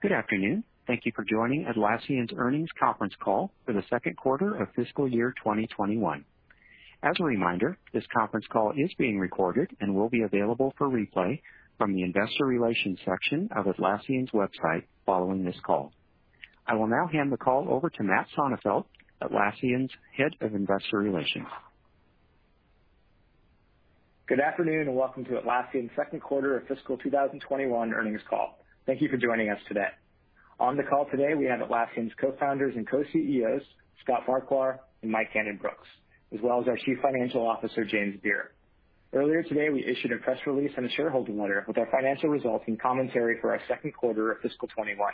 Good afternoon. Thank you for joining Atlassian's earnings conference call for the second of fiscal 2021. As a reminder, this conference call is being recorded and will be available for replay from the investor relations section of Atlassian's website following this call. I will now hand the call over to Matt Sonefeldt, Atlassian's Head of Investor Relations. Good afternoon, and welcome to Atlassian's Q2 of fiscal 2021 earnings call. Thank you for joining today. On the call today, we have Atlassian's Co-Founders and Co-CEOs, Scott Farquhar and Mike Cannon-Brookes, as well as our Chief Financial Officer, James Beer. Earlier today, we issued a press release and a shareholder letter with our financial results and commentary for our Q2 of fiscal '21.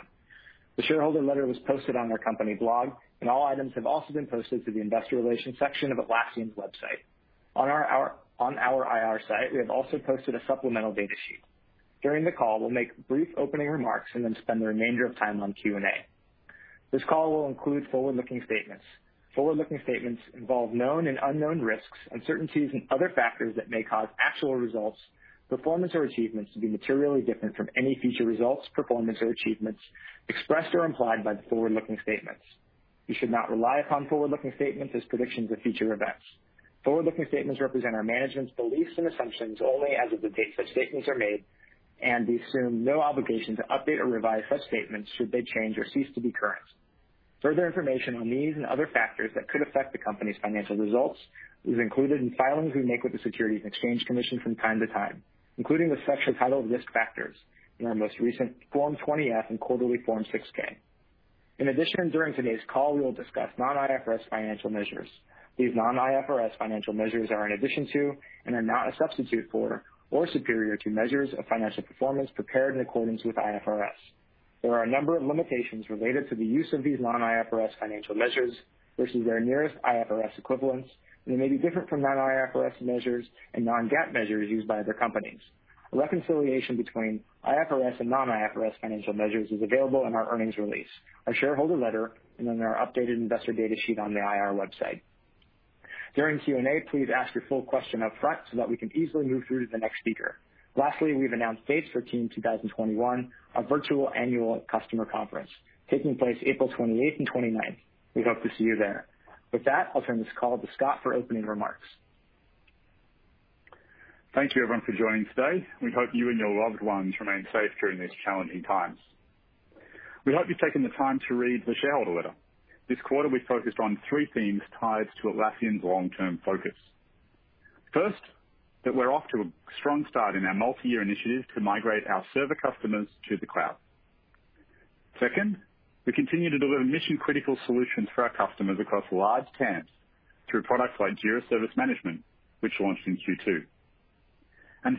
The shareholder letter was posted on our company blog, and all items have also been posted to the investor relations section of Atlassian's website. On our IR site, we have also posted a supplemental data sheet. During the call, we'll make brief opening remarks and then spend the remainder of time on Q&A. This call will include forward-looking statements. Forward-looking statements involve known and unknown risks, uncertainties, and other factors that may cause actual results, performance, or achievements to be materially different from any future results, performance, or achievements expressed or implied by the forward-looking statements. You should not rely upon forward-looking statements as predictions of future events. Forward-looking statements represent our management's beliefs and assumptions only as of the date such statements are made, and we assume no obligation to update or revise such statements should they change or cease to be current. Further information on these and other factors that could affect the company's financial results is included in filings we make with the Securities and Exchange Commission from time to time, including the section titled Risk Factors in our most recent Form 20-F and quarterly Form 6-K. In addition, during today's call, we will discuss non-IFRS financial measures. These non-IFRS financial measures are in addition to and are not a substitute for or superior to measures of financial performance prepared in accordance with IFRS. There are a number of limitations related to the use of these non-IFRS financial measures versus their nearest IFRS equivalents, and they may be different from non-IFRS measures and non-GAAP measures used by other companies. A reconciliation between IFRS and non-IFRS financial measures is available in our earnings release, our shareholder letter, and in our updated investor data sheet on the IR website. During Q&A, please ask your full question up front so that we can easily move through to the next speaker. Lastly, we've announced dates for Team '21, our virtual annual customer conference taking place April 28th and 29th. We hope to see you there. With that, I'll turn this call to Scott for opening remarks. Thank you, everyone, for joining today. We hope you and your loved ones remain safe during these challenging times. We hope you've taken the time to read the shareholder letter. This quarter, we focused on three themes tied to Atlassian's long-term focus. First, that we're off to a strong start in our multi-year initiative to migrate our server customers to the cloud. Second, we continue to deliver mission-critical solutions for our customers across large counts through products like Jira Service Management, which launched in Q2.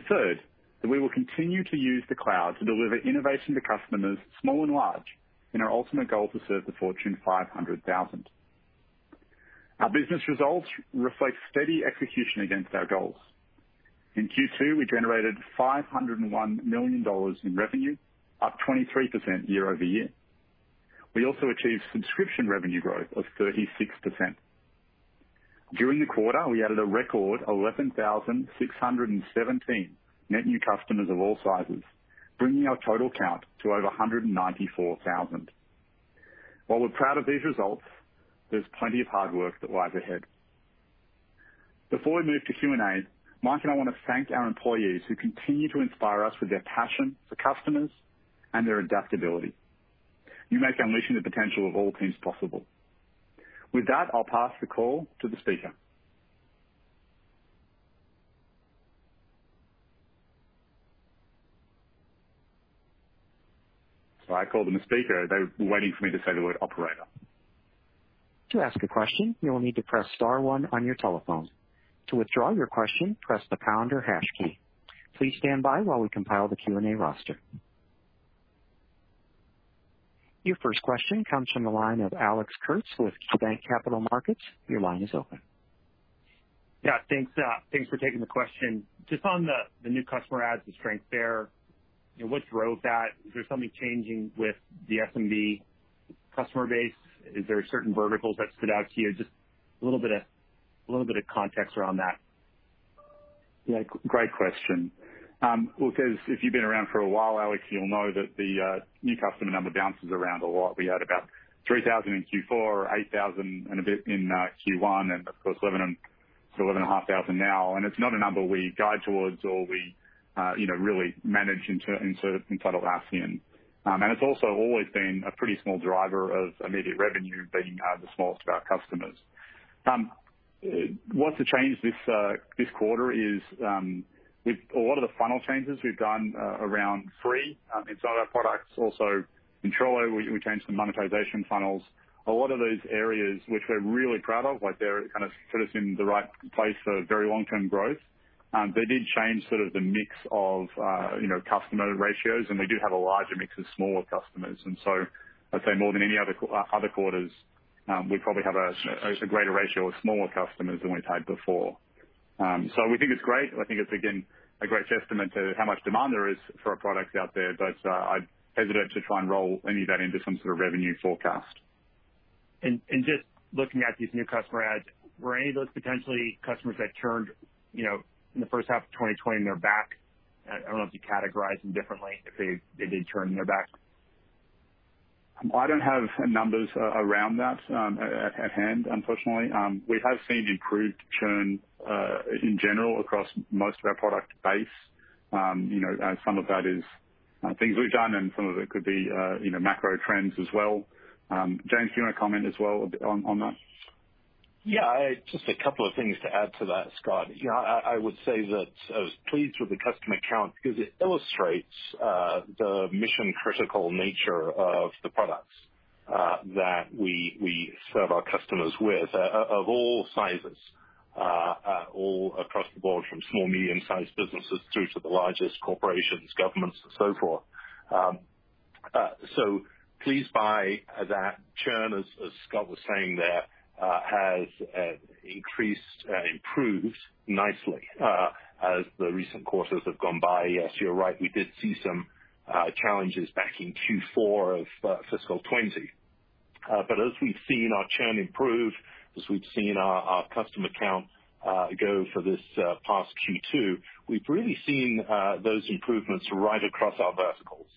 Third, that we will continue to use the cloud to deliver innovation to customers, small and large, in our ultimate goal to serve the Fortune 500,000. Our business results reflect steady execution against our goals. In Q2, we generated $501 million in revenue, up 23% year-over-year. We also achieved subscription revenue growth of 36%. During the quarter, we added a record 11,617 net new customers of all sizes, bringing our total count to over 194,000. While we're proud of these results, there's plenty of hard work that lies ahead. Before we move to Q&A, Mike and I want to thank our employees who continue to inspire us with their passion for customers and their adaptability. You make unleashing the potential of all teams possible. With that, I'll pass the call to the speaker. I called them the speaker. They're waiting for me to say the word operator. Your first question comes from the line of Alex Kurtz with KeyBanc Capital Markets. Your line is open. Yeah. Thanks for taking the question. Just on the new customer adds, the strength there, what drove that? Is there something changing with the SMB customer base? Is there certain verticals that stood out to you? Just a little bit of context around that. Great question. Because if you've been around for a while, Alex, you'll know that the new customer number bounces around a lot. We had about 3,000 in Q4 or 8,000 and a bit in Q1. Of course, 11,500 now. It's not a number we guide towards or we really manage into Atlassian. It's also always been a pretty small driver of immediate revenue, being the smallest of our customers. What's a change this quarter is a lot of the funnel changes we've done around free inside our products. In Trello, we changed some monetization funnels. A lot of those areas, which we're really proud of, they kind of put us in the right place for very long-term growth. They did change sort of the mix of customer ratios, and we do have a larger mix of smaller customers. I'd say more than any other quarters, we probably have a greater ratio of smaller customers than we've had before. We think it's great. I think it's, again, a great testament to how much demand there is for our products out there, but I'm hesitant to try and roll any of that into some sort of revenue forecast. Just looking at these new customer adds, were any of those potentially customers that churned in the first half of 2020 and they're back? I don't know if you categorize them differently if they did churn and they're back. I don't have numbers around that at hand, unfortunately. We have seen improved churn, in general, across most of our product base. Some of that is things we've done, and some of it could be macro trends as well. James, do you want to comment as well on that? Yeah. Just a couple of things to add to that, Scott. I would say that I was pleased with the customer count because it illustrates the mission-critical nature of the products that we serve our customers with, of all sizes, all across the board, from small, medium-sized businesses through to the largest corporations, governments, and so forth. Pleased by that churn, as Scott was saying there, has increased and improved nicely as the recent quarters have gone by. Yes, you're right. We did see some challenges back in Q4 of FY 2020. As we've seen our churn improve, as we've seen our customer count go for this past Q2, we've really seen those improvements right across our verticals.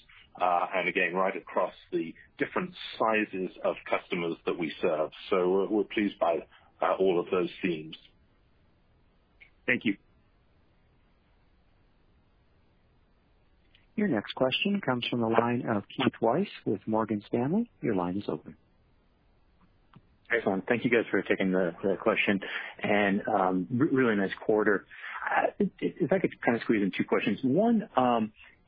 Again, right across the different sizes of customers that we serve. We're pleased by all of those themes. Thank you. Your next question comes from the line of Keith Weiss with Morgan Stanley. Excellent. Thank you guys for taking the question. Really nice quarter. If I could squeeze in two questions. One,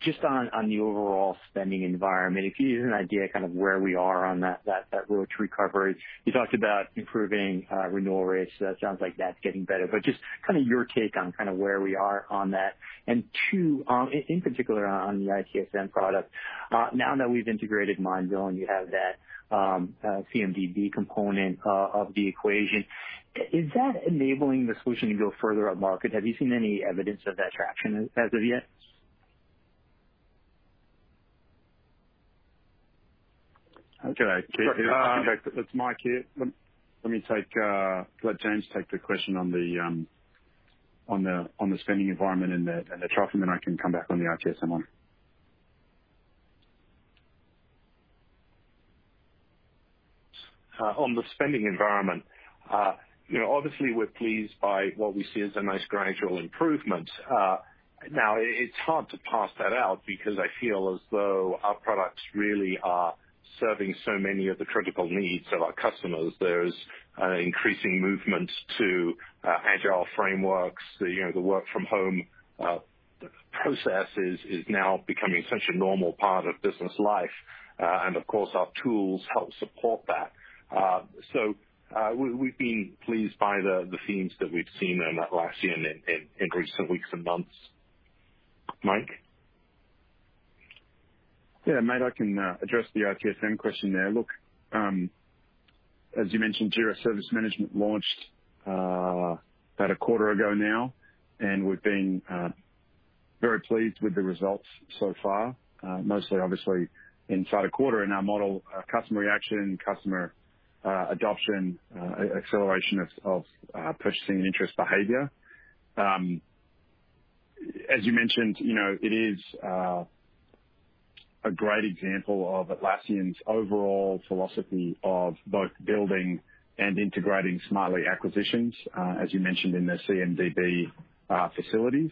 just on the overall spending environment, if you can give an idea of where we are on that road to recovery. You talked about improving renewal rates. That sounds like that's getting better, but just your take on where we are on that. Two, in particular on the ITSM product, now that we've integrated Mindville and you have that CMDB component of the equation, is that enabling the solution to go further up market? Have you seen any evidence of that traction as of yet? Okay. It's Mike here. Let James take the question on the spending environment and the traction, then I can come back on the ITSM one. On the spending environment, obviously we're pleased by what we see as a nice gradual improvement. It's hard to parse that out because I feel as though our products really are serving so many of the critical needs of our customers. There's increasing movement to agile frameworks. The work from home process is now becoming such a normal part of business life. Of course, our tools help support that. We've been pleased by the themes that we've seen in Atlassian in recent weeks and months. Mike? Yeah, mate, I can address the ITSM question there. Look, as you mentioned, Jira Service Management launched about a quarter ago now, and we've been very pleased with the results so far. Mostly obviously inside a quarter in our model, customer reaction, customer adoption, acceleration of purchasing interest behavior. As you mentioned, it is a great example of Atlassian's overall philosophy of both building and integrating smartly acquisitions, as you mentioned in the CMDB facilities.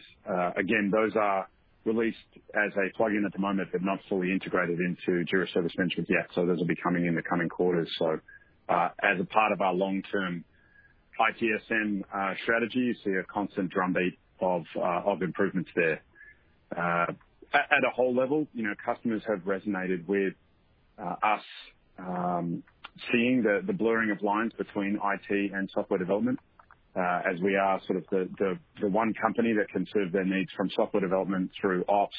Again, those are released as a plugin at the moment, but not fully integrated into Jira Service Management yet. Those will be coming in the coming quarters. As a part of our long-term ITSM strategy, you see a constant drumbeat of improvements there. At a whole level, customers have resonated with us seeing the blurring of lines between IT and software development, as we are sort of the one company that can serve their needs from software development through ops,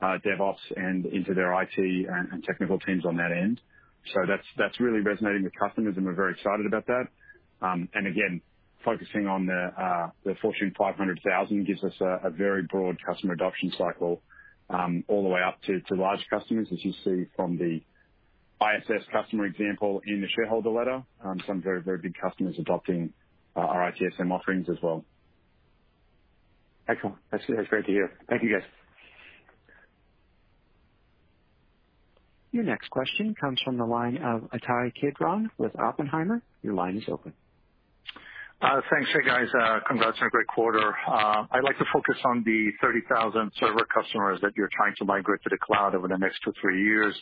DevOps, and into their IT and technical teams on that end. That's really resonating with customers, and we're very excited about that. Again, focusing on the Fortune 500,000 gives us a very broad customer adoption cycle, all the way up to large customers, as you see from the ISS customer example in the shareholder letter. Some very big customers adopting our ITSM offerings as well. Excellent. That's great to hear. Thank you, guys. Your next question comes from the line of Ittai Kidron with. Your line is open. Thanks. Hey, guys, congrats on a great quarter. I'd like to focus on the 30,000 server customers that you're trying to migrate to the cloud over the next two, three years.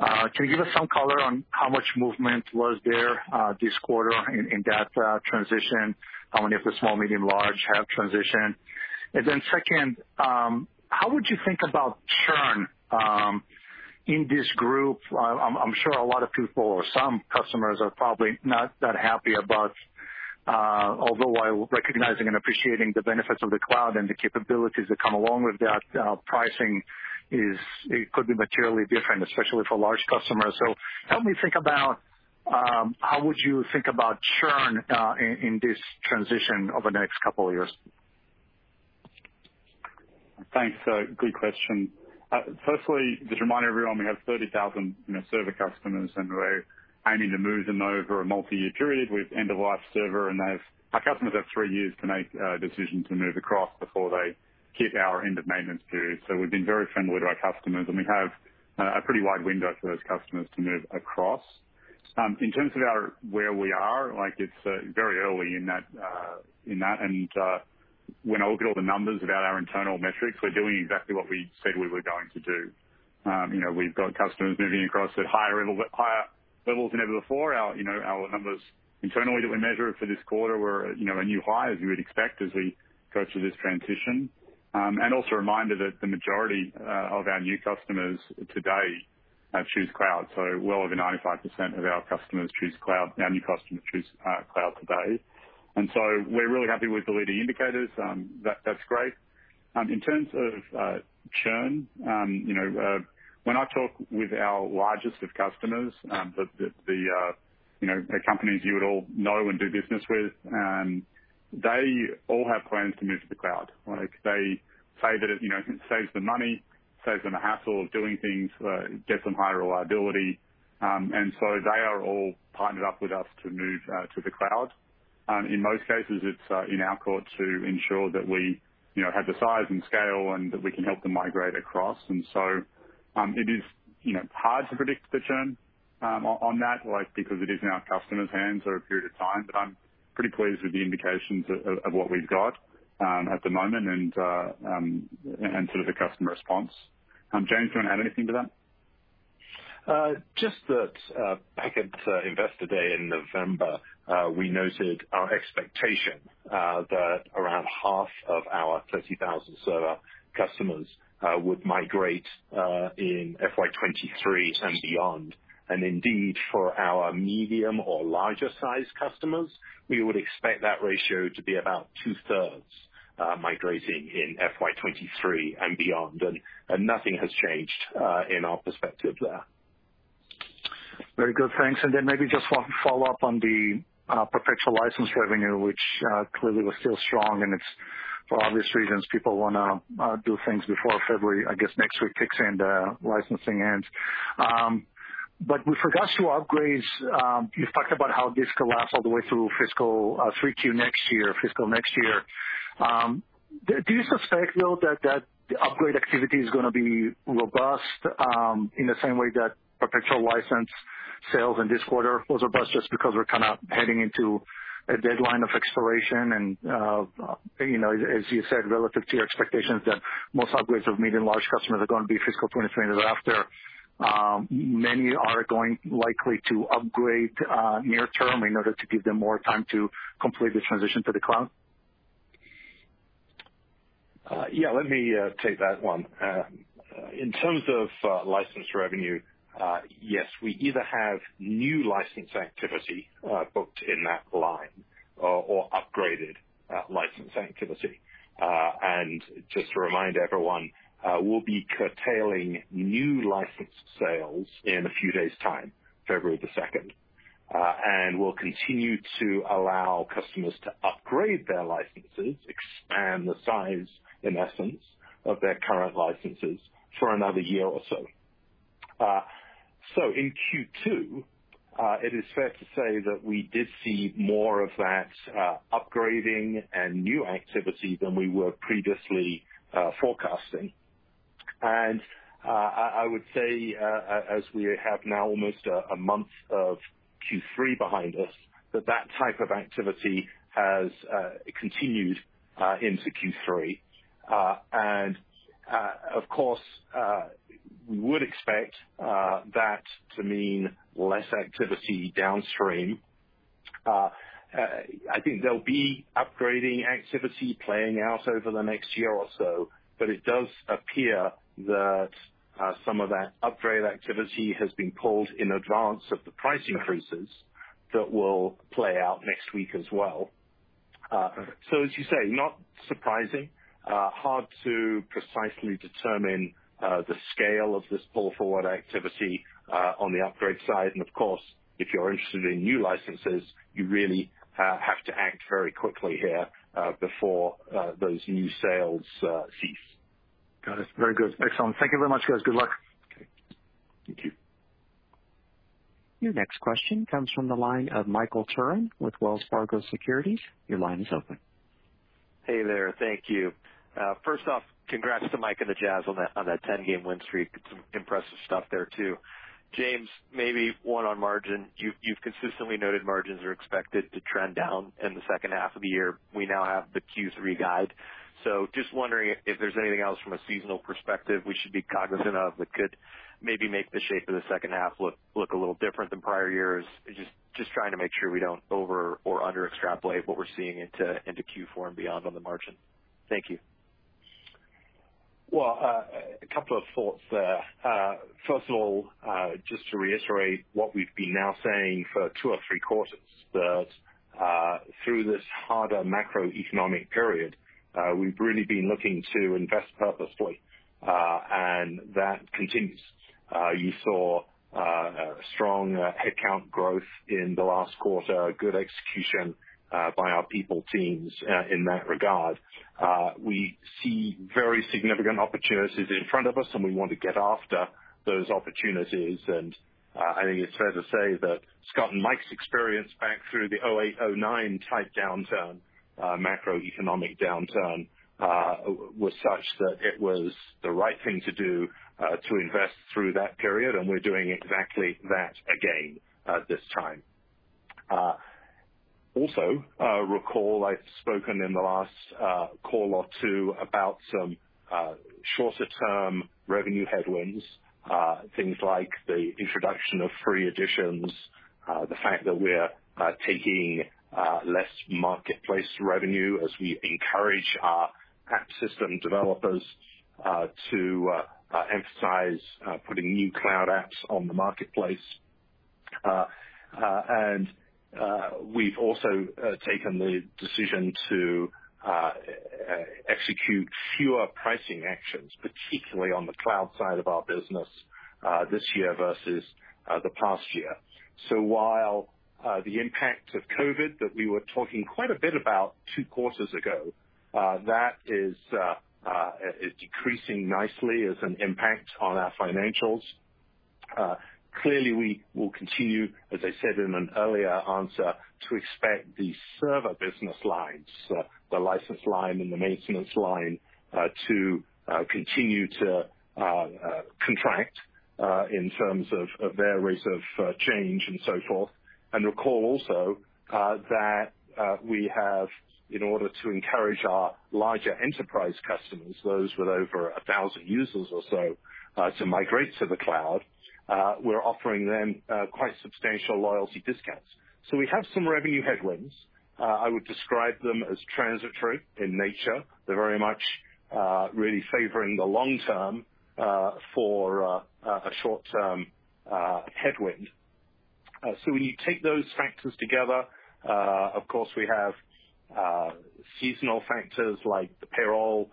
Can you give us some color on how much movement was there this quarter in that transition? How many of the small, medium, large have transitioned? Second, how would you think about churn in this group? I'm sure a lot of people or some customers are probably not that happy about, although while recognizing and appreciating the benefits of the cloud and the capabilities that come along with that, pricing could be materially different, especially for large customers. Help me think about how would you think about churn in this transition over the next couple of years? Thanks. Good question. Firstly, just remind everyone, we have 30,000 server customers and we're aiming to move them over a multi-year period with end-of-life server, and our customers have three years to make a decision to move across before they hit our end of maintenance period. We've been very friendly to our customers, and we have a pretty wide window for those customers to move across. In terms of where we are, it's very early in that. When I look at all the numbers about our internal metrics, we're doing exactly what we said we were going to do. We've got customers moving across at higher levels than ever before. Our numbers internally that we measure for this quarter were a new high, as you would expect, as we go through this transition. Also a reminder that the majority of our new customers today choose cloud. Well over 95% of our new customers choose cloud today. We're really happy with the leading indicators. That's great. In terms of churn, when I talk with our largest of customers, the companies you would all know and do business with, they all have plans to move to the cloud. They say that it saves them money, saves them the hassle of doing things, gets them higher reliability. They are all partnered up with us to move to the cloud. In most cases, it's in our court to ensure that we have the size and scale, and that we can help them migrate across. It is hard to predict the churn on that life because it is in our customers' hands for a period of time. I'm pretty pleased with the indications of what we've got at the moment and the customer response. James, do you want to add anything to that? Just that back at Investor Day in November, we noted our expectation that around half of our 30,000 server customers would migrate in FY 2023 and beyond. Indeed, for our medium or larger sized customers, we would expect that ratio to be about two-thirds migrating in FY 2023 and beyond. Nothing has changed in our perspective there. Very good. Thanks. Maybe just one follow-up on the perpetual license revenue, which clearly was still strong, and it's for obvious reasons people want to do things before February, I guess next week kicks in the licensing ends. With regards to upgrades, you've talked about how this collapse all the way through fiscal 3Q next year, fiscal next year. Do you suspect, though, that the upgrade activity is going to be robust, in the same way that perpetual license sales in this quarter was robust just because we're kind of heading into a deadline of expiration and, as you said, relative to your expectations that most upgrades of medium, large customers are going to be fiscal 2023 and thereafter, many are likely to upgrade near term in order to give them more time to complete the transition to the cloud? Yeah, let me take that one. In terms of license revenue, yes. We either have new license activity booked in that line or upgraded license activity. Just to remind everyone, we'll be curtailing new license sales in a few days time, February 2nd. We'll continue to allow customers to upgrade their licenses, expand the size, in essence, of their current licenses for another year or so. In Q2, it is fair to say that we did see more of that upgrading and new activity than we were previously forecasting. I would say, as we have now almost a month of Q3 behind us, that type of activity has continued into Q3. Of course, we would expect that to mean less activity downstream. I think there'll be upgrading activity playing out over the next year or so, but it does appear that some of that upgrade activity has been pulled in advance of the price increases that will play out next week as well. As you say, not surprising. Hard to precisely determine the scale of this pull-forward activity on the upgrade side. Of course, if you're interested in new licenses, you really have to act very quickly here before those new sales cease. Got it. Very good. Excellent. Thank you very much, guys. Good luck. Okay. Thank you. Your next question comes from the line of Michael Turrin with Wells Fargo Securities. Hey there. Thank you. First off, congrats to Mike and the Jazz on that 10-game win streak. Some impressive stuff there, too. James, maybe one on margin. You've consistently noted margins are expected to trend down in the second half of the year. We now have the Q3 guide. Just wondering if there's anything else from a seasonal perspective we should be cognizant of that could maybe make the shape of the second half look a little different than prior years. Just trying to make sure we don't over or under extrapolate what we're seeing into Q4 and beyond on the margin. Thank you. Well, a couple of thoughts there. First of all, just to reiterate what we've been now saying for two or three quarters, that through this harder macroeconomic period, we've really been looking to invest purposefully, and that continues. You saw strong headcount growth in the last quarter, good execution by our people teams in that regard. We see very significant opportunities in front of us, and we want to get after those opportunities. I think it's fair to say that Scott and Mike's experience back through the '08, '09 type downturn, macroeconomic downturn, was such that it was the right thing to do to invest through that period, and we're doing exactly that again at this time. Also, recall I'd spoken in the last call or two about some shorter-term revenue headwinds, things like the introduction of free additions, the fact that we're taking less marketplace revenue as we encourage our ecosystem developers to emphasize putting new cloud apps on the marketplace. We've also taken the decision to execute fewer pricing actions, particularly on the cloud side of our business, this year versus the past year. While the impact of COVID that we were talking quite a bit about two quarters ago, that is decreasing nicely as an impact on our financials. Clearly, we will continue, as I said in an earlier answer, to expect the server business lines, the license line and the maintenance line, to continue to contract in terms of their rate of change and so forth. Recall also that we have, in order to encourage our larger enterprise customers, those with over 1,000 users or so, to migrate to the cloud, we're offering them quite substantial loyalty discounts. We have some revenue headwinds. I would describe them as transitory in nature. They're very much really favoring the long term for a short term headwind. When you take those factors together, of course, we have seasonal factors like the payroll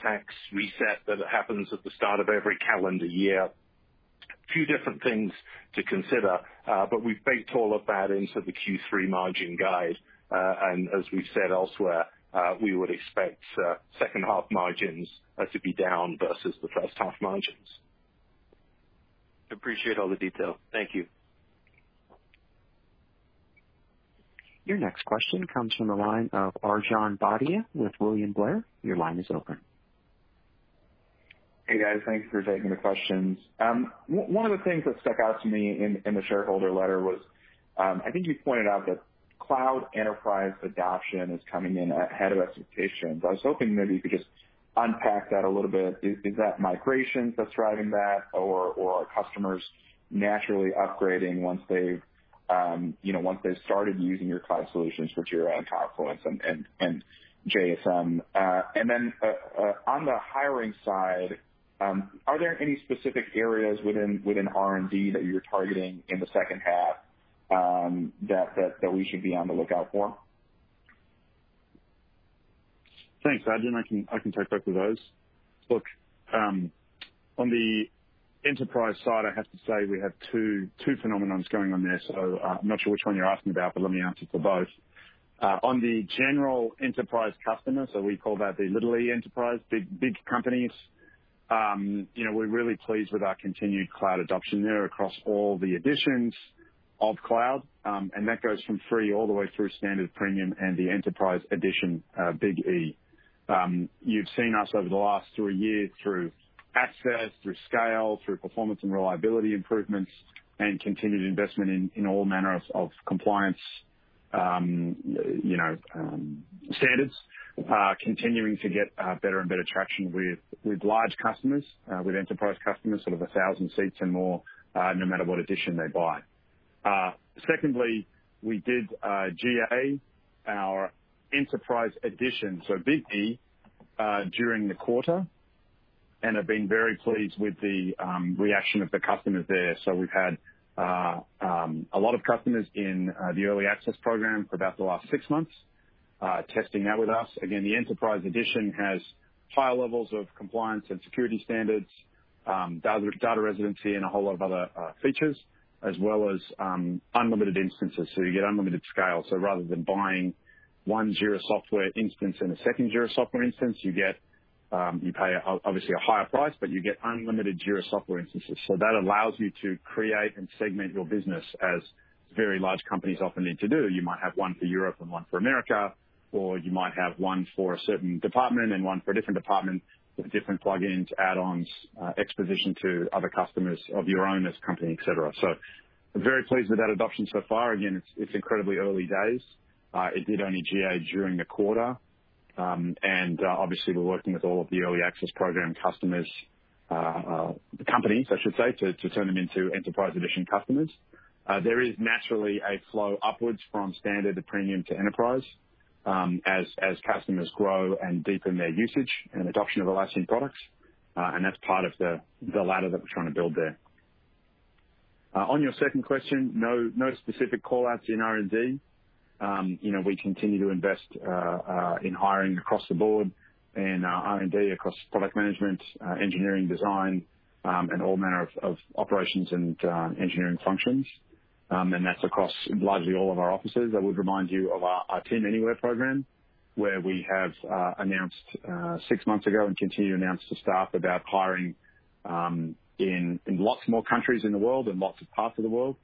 tax reset that happens at the start of every calendar year. Two different things to consider, we've baked all of that into the Q3 margin guide. As we've said elsewhere, we would expect second half margins to be down versus the first half margins. Appreciate all the detail. Thank you. Your next question comes from the line of Arjun Bhatia with William Blair. Your line is open. Hey, guys. Thank you for taking the questions. One of the things that stuck out to me in the shareholder letter was, I think you pointed out that cloud enterprise adoption is coming in ahead of expectations. I was hoping maybe you could just unpack that a little bit. Is that migrations that's driving that or are customers naturally upgrading once they've started using your cloud solutions for Jira and Confluence and JSM? Then, on the hiring side, are there any specific areas within R&D that you're targeting in the second half that we should be on the lookout for? Thanks, Arjun. I can take both of those. Look, on the enterprise side, I have to say we have two phenomenons going on there, so I'm not sure which one you're asking about, but let me answer for both. On the general enterprise customer, so we call that the little e enterprise, big companies, we're really pleased with our continued cloud adoption there across all the editions of cloud, and that goes from Free all the way through Standard Premium and the Enterprise Edition, big E. You've seen us over the last three years through access, through scale, through performance and reliability improvements, and continued investment in all manner of compliance standards, continuing to get better and better traction with large customers, with enterprise customers, sort of 1,000 seats or more, no matter what edition they buy. Secondly, we did GA our enterprise edition, so big E, during the quarter, and have been very pleased with the reaction of the customers there. We've had a lot of customers in the early access program for about the last six months, testing that with us. Again, the enterprise edition has higher levels of compliance and security standards, data residency, and a whole lot of other features, as well as unlimited instances. You get unlimited scale. Rather than buying one Jira Software instance and a second Jira Software instance, you pay obviously a higher price, but you get unlimited Jira Software instances. That allows you to create and segment your business as very large companies often need to do. You might have one for Europe and one for America, or you might have one for a certain department and one for a different department with different plugins, add-ons, exposition to other customers of your own as a company, et cetera. I'm very pleased with that adoption so far. Again, it's incredibly early days. It did only GA during the quarter. Obviously, we're working with all of the early access program customers The companies, I should say, to turn them into Enterprise Edition customers. There is naturally a flow upwards from standard to premium to enterprise, as customers grow and deepen their usage and adoption of Atlassian products. That's part of the ladder that we're trying to build there. On your second question, no specific call-outs in R&D. We continue to invest in hiring across the board in R&D, across product management, engineering design, and all manner of operations and engineering functions. That's across largely all of our offices. I would remind you of our Team Anywhere program, where we have announced six months ago and continue to announce to staff about hiring in lots more countries in the world and lots of parts of the world.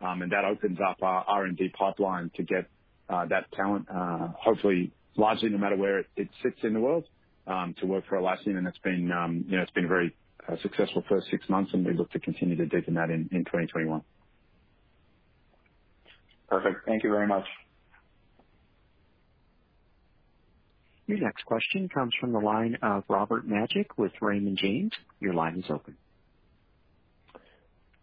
That opens up our R&D pipeline to get that talent, hopefully largely no matter where it sits in the world, to work for Atlassian. It's been a very successful first six months, and we look to continue to deepen that in 2021. Perfect. Thank you very much. Your next question comes from the line of Robert Majek with Raymond James. Your line is open.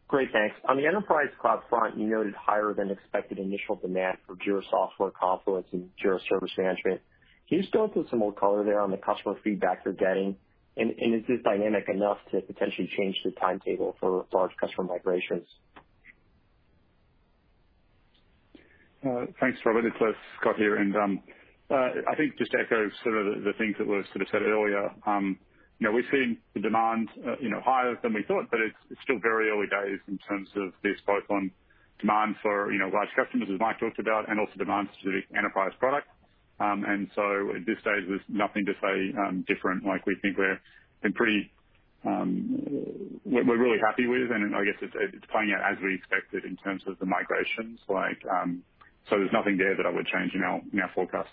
Great, thanks. On the Enterprise Cloud front, you noted higher than expected initial demand for Jira Software Confluence and Jira Service Management. Can you just go into some more color there on the customer feedback you're getting? Is this dynamic enough to potentially change the timetable for large customer migrations? Thanks, Robert. It's Scott here. I think just to echo sort of the things that were sort of said earlier. We've seen the demand higher than we thought, but it's still very early days in terms of this, both on demand for large customers, as Mike talked about, and also demand for the enterprise product. At this stage, there's nothing to say different. We're really happy with, and I guess it's playing out as we expected in terms of the migrations. There's nothing there that I would change in our forecasts.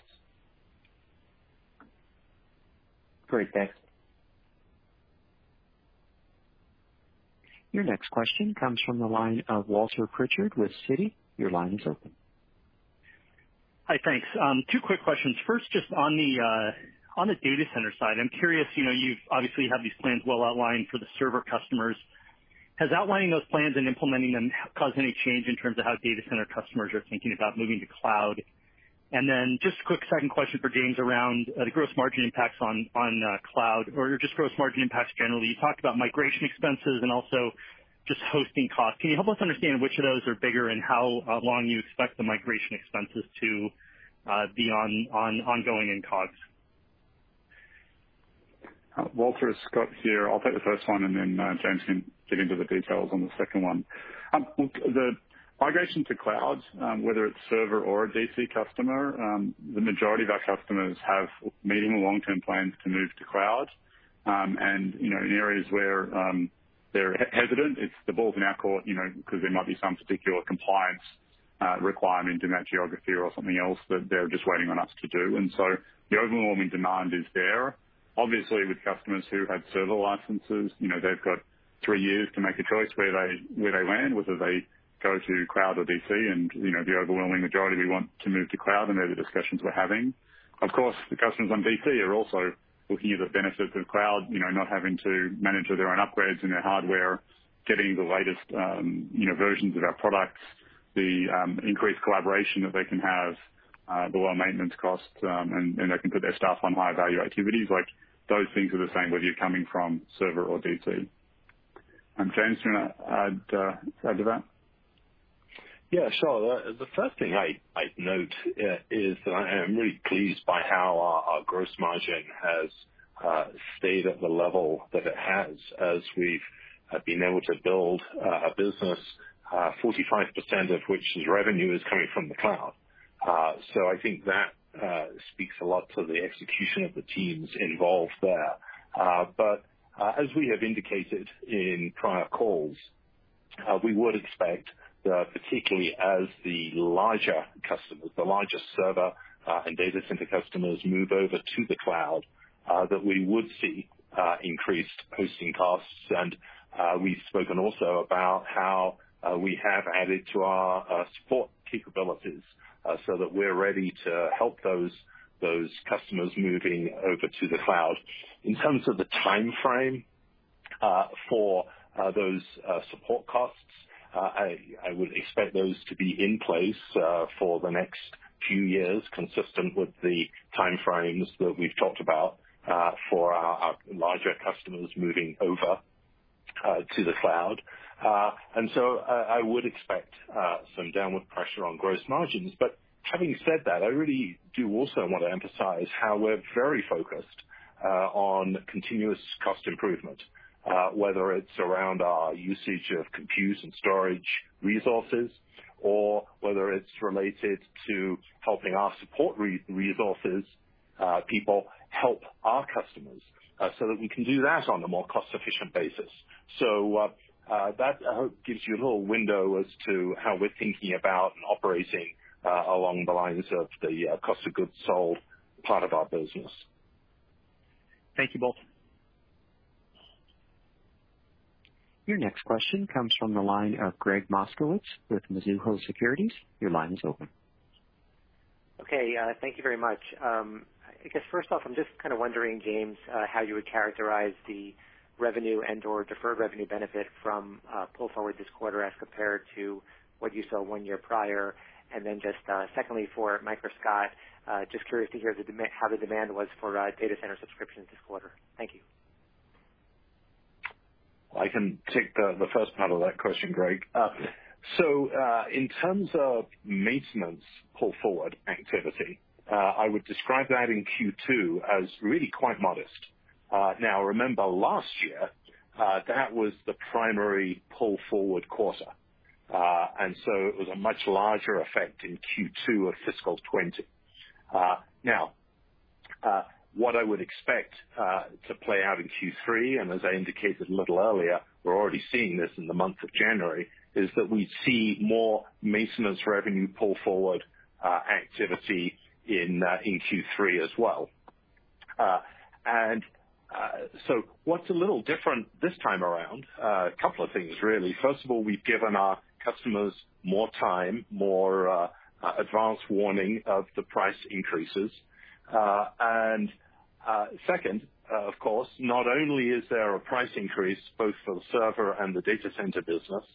Great. Thanks. Your next question comes from the line of Walter Pritchard with Citi. Hi. Thanks. Two quick questions. First, just on the data center side, I'm curious, you obviously have these plans well outlined for the server customers. Has outlining those plans and implementing them caused any change in terms of how data center customers are thinking about moving to cloud? Then just a quick second question for James around the gross margin impacts on cloud or just gross margin impacts generally. You talked about migration expenses and also just hosting costs. Can you help us understand which of those are bigger and how long you expect the migration expenses to be ongoing in COGS? Walter, it's Scott here. I'll take the first one, and then James can get into the details on the second one. The migration to cloud, whether it's server or a DC customer, the majority of our customers have medium to long-term plans to move to cloud. In areas where they're hesitant, it's the ball's in our court, because there might be some particular compliance requirement in that geography or something else that they're just waiting on us to do. The overwhelming demand is there. Obviously, with customers who have server licenses, they've got three years to make a choice where they land, whether they go to cloud or DC. The overwhelming majority want to move to cloud, and they're the discussions we're having. Of course, the customers on DC are also looking at the benefits of cloud, not having to manage their own upgrades and their hardware, getting the latest versions of our products, the increased collaboration that they can have, the lower maintenance costs, and they can put their staff on higher value activities. Those things are the same whether you're coming from server or DC. James, do you want to add to that? Yeah, sure. The first thing I'd note is that I am really pleased by how our gross margin has stayed at the level that it has as we've been able to build a business, 45% of which's revenue is coming from the cloud. I think that speaks a lot to the execution of the teams involved there. As we have indicated in prior calls, we would expect that particularly as the larger customers, the larger server and data center customers move over to the cloud, that we would see increased hosting costs. We've spoken also about how we have added to our support capabilities so that we're ready to help those customers moving over to the cloud. In terms of the timeframe for those support costs, I would expect those to be in place for the next few years, consistent with the timeframes that we've talked about for our larger customers moving over to the cloud. I would expect some downward pressure on gross margins. Having said that, I really do also want to emphasize how we're very focused on continuous cost improvement, whether it's around our usage of compute and storage resources or whether it's related to helping our support resources people help our customers so that we can do that on a more cost-efficient basis. That, I hope, gives you a little window as to how we're thinking about and operating along the lines of the cost of goods sold part of our business. Thank you both. Your next question comes from the line of Gregg Moskowitz with Mizuho Securities. Your line is open. Okay. Thank you very much. I guess, first off, I'm just kind of wondering, James, how you would characterize the revenue and/or deferred revenue benefit from pull forward this quarter as compared to what you saw one year prior. Just secondly, for Mike or Scott, just curious to hear how the demand was for data center subscriptions this quarter. Thank you. I can take the first part of that question, Gregg. In terms of maintenance pull forward activity, I would describe that in Q2 as really quite modest. Now, remember last year, that was the primary pull forward quarter. It was a much larger effect in Q2 of fiscal 2020. Now, what I would expect to play out in Q3, and as I indicated a little earlier, we're already seeing this in the month of January, is that we see more maintenance revenue pull forward activity in Q3 as well. What's a little different this time around? A couple of things, really. First of all, we've given our customers more time, more advance warning of the price increases. Second, of course, not only is there a price increase both for the server and the data center business,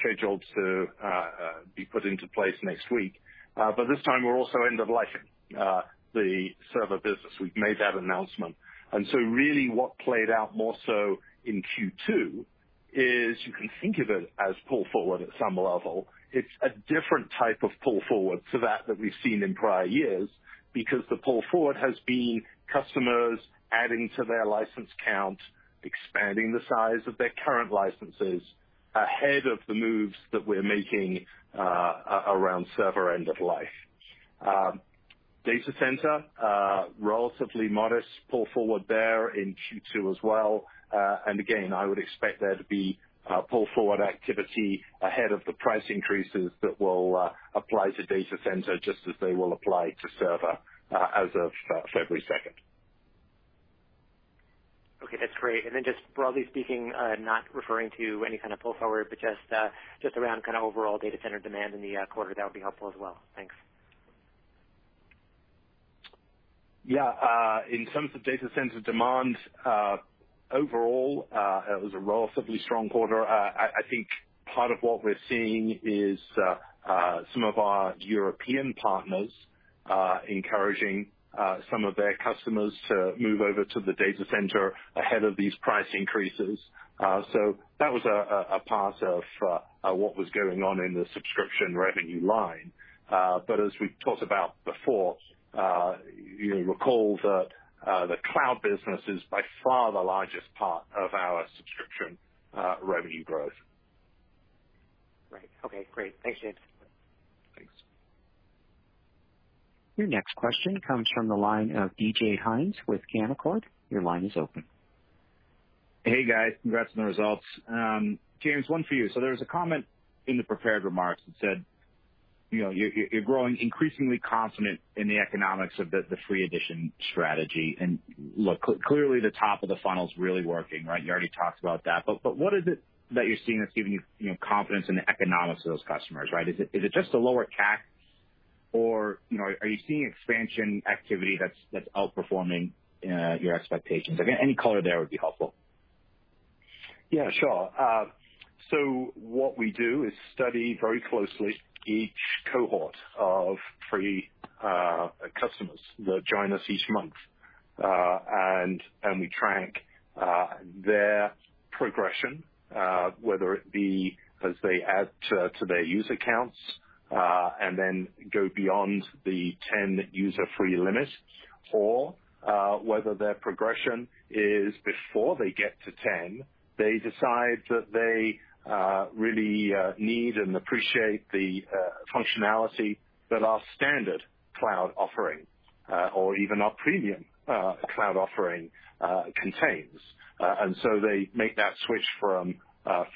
scheduled to be put into place next week, but this time we're also end-of-lifing the server business. We've made that announcement. Really what played out more so in Q2 is you can think of it as pull forward at some level. It's a different type of pull forward to that that we've seen in prior years because the pull forward has been customers adding to their license count, expanding the size of their current licenses ahead of the moves that we're making around server end-of-life. Data center, relatively modest pull forward there in Q2 as well. Again, I would expect there to be pull forward activity ahead of the price increases that will apply to data center just as they will apply to server as of February 2nd. Okay, that's great. Just broadly speaking, not referring to any kind of pull forward, but just around kind of overall data center demand in the quarter, that would be helpful as well. Thanks. Yeah. In terms of data center demand, overall, it was a relatively strong quarter. I think part of what we're seeing is some of our European partners encouraging some of their customers to move over to the data center ahead of these price increases. That was a part of what was going on in the subscription revenue line. As we've talked about before, you recall that the cloud business is by far the largest part of our subscription revenue growth. Right. Okay, great. Thanks, James. Thanks. Your next question comes from the line of DJ Hynes with Canaccord. Your line is open. Hey, guys. Congrats on the results. James, one for you. There's a comment in the prepared remarks that said, you're growing increasingly confident in the economics of the free edition strategy. Look, clearly the top of the funnel's really working, right? You already talked about that. What is it that you're seeing that's giving you confidence in the economics of those customers, right? Is it just a lower CAC or are you seeing expansion activity that's outperforming your expectations? Again, any color there would be helpful. Yeah, sure. What we do is study very closely each cohort of free customers that join us each month. We track their progression, whether it be as they add to their user counts, then go beyond the 10 user free limit, or whether their progression is before they get to 10, they decide that they really need and appreciate the functionality that our standard cloud offering, or even our premium cloud offering contains. They make that switch from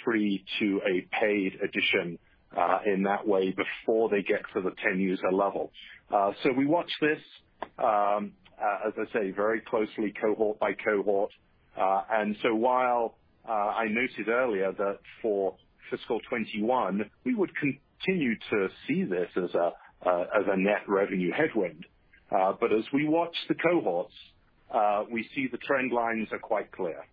free to a paid edition in that way before they get to the 10 user level. We watch this, as I say, very closely cohort by cohort. While I noted earlier that for FY 2021, we would continue to see this as a net revenue headwind. As we watch the cohorts, we see the trend lines are quite clear.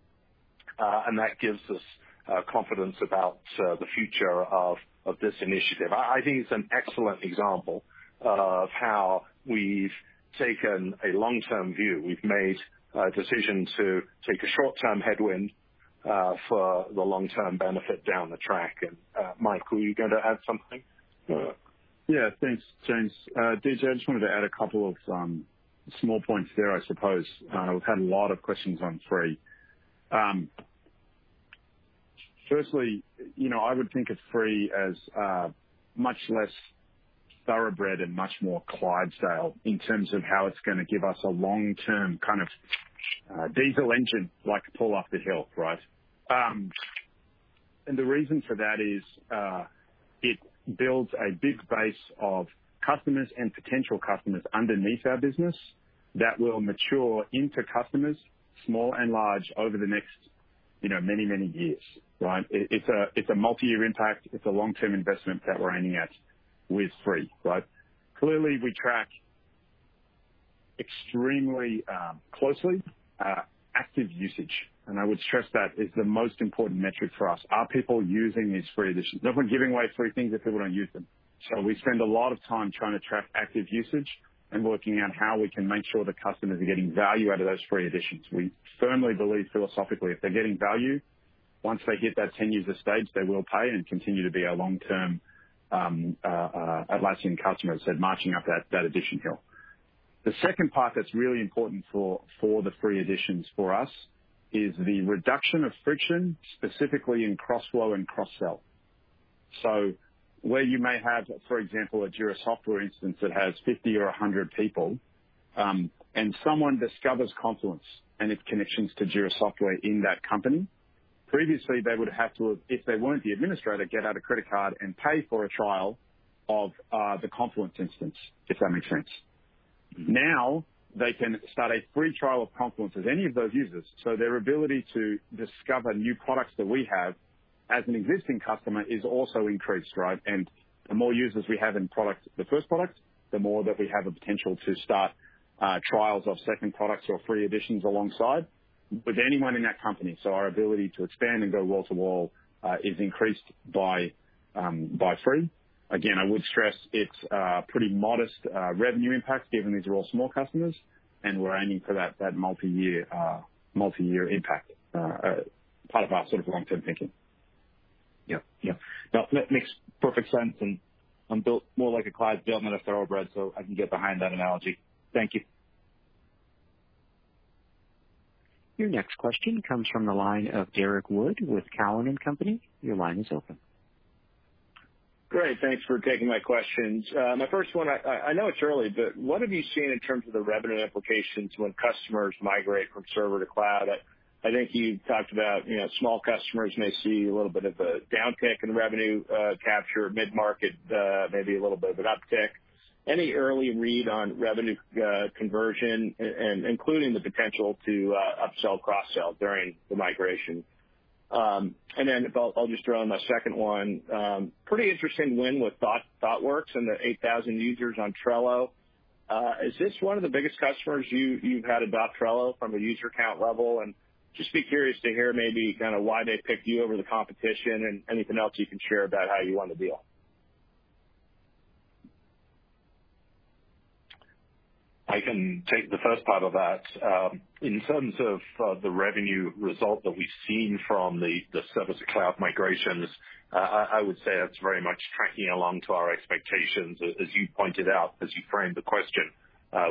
That gives us confidence about the future of this initiative. I think it's an excellent example of how we've taken a long-term view. We've made a decision to take a short-term headwind for the long-term benefit down the track. Mike, were you going to add something? Yeah, thanks, James. DJ, I just wanted to add a couple of small points there, I suppose. We've had a lot of questions on free. Firstly, I would think of free as much less thoroughbred and much more Clydesdale in terms of how it's going to give us a long-term kind of diesel engine, like pull up the hill, right? The reason for that is, it builds a big base of customers and potential customers underneath our business that will mature into customers, small and large, over the next many, many years, right? It's a multi-year impact. It's a long-term investment that we're aiming at with free, right? Clearly, we track extremely closely active usage, and I would stress that is the most important metric for us. Are people using these free editions? No point giving away free things if people don't use them. We spend a lot of time trying to track active usage and working out how we can make sure the customers are getting value out of those free editions. We firmly believe philosophically, if they're getting value, once they hit that tenure stage, they will pay and continue to be a long-term Atlassian customer, so marching up that edition hill. The second part that's really important for the free editions for us is the reduction of friction, specifically in cross-flow and cross-sell. Where you may have, for example, a Jira Software instance that has 50 or 100 people, and someone discovers Confluence and its connections to Jira Software in that company. Previously, they would have to, if they weren't the administrator, get out a credit card and pay for a trial of the Confluence instance, if that makes sense. Now they can start a free trial of Confluence as any of those users. Their ability to discover new products that we have as an existing customer is also increased, right? The more users we have in the first product, the more that we have a potential to start trials of second products or free editions alongside with anyone in that company. Our ability to expand and go wall to wall is increased by free. Again, I would stress it's pretty modest revenue impact given these are all small customers and we're aiming for that multi-year impact, part of our sort of long-term thinking. Yeah. That makes perfect sense. I'm built more like a Clydesdale than a thoroughbred, so I can get behind that analogy. Thank you. Your next question comes from the line of Derrick Wood with Cowen and Company. Your line is open. Great. Thanks for taking my questions. My first one, I know it's early, what have you seen in terms of the revenue implications when customers migrate from server to cloud? I think you talked about small customers may see a little bit of a downtick in revenue capture, mid-market, maybe a little bit of an uptick. Any early read on revenue conversion, including the potential to upsell, cross-sell during the migration? I'll just throw in my second one. Pretty interesting win with Thoughtworks and their 8,000 users on Trello. Is this one of the biggest customers you've had adopt Trello from a user count level? Just be curious to hear maybe why they picked you over the competition and anything else you can share about how you won the deal. I can take the first part of that. In terms of the revenue result that we've seen from the server to cloud migrations, I would say that's very much tracking along to our expectations. As you pointed out, as you framed the question,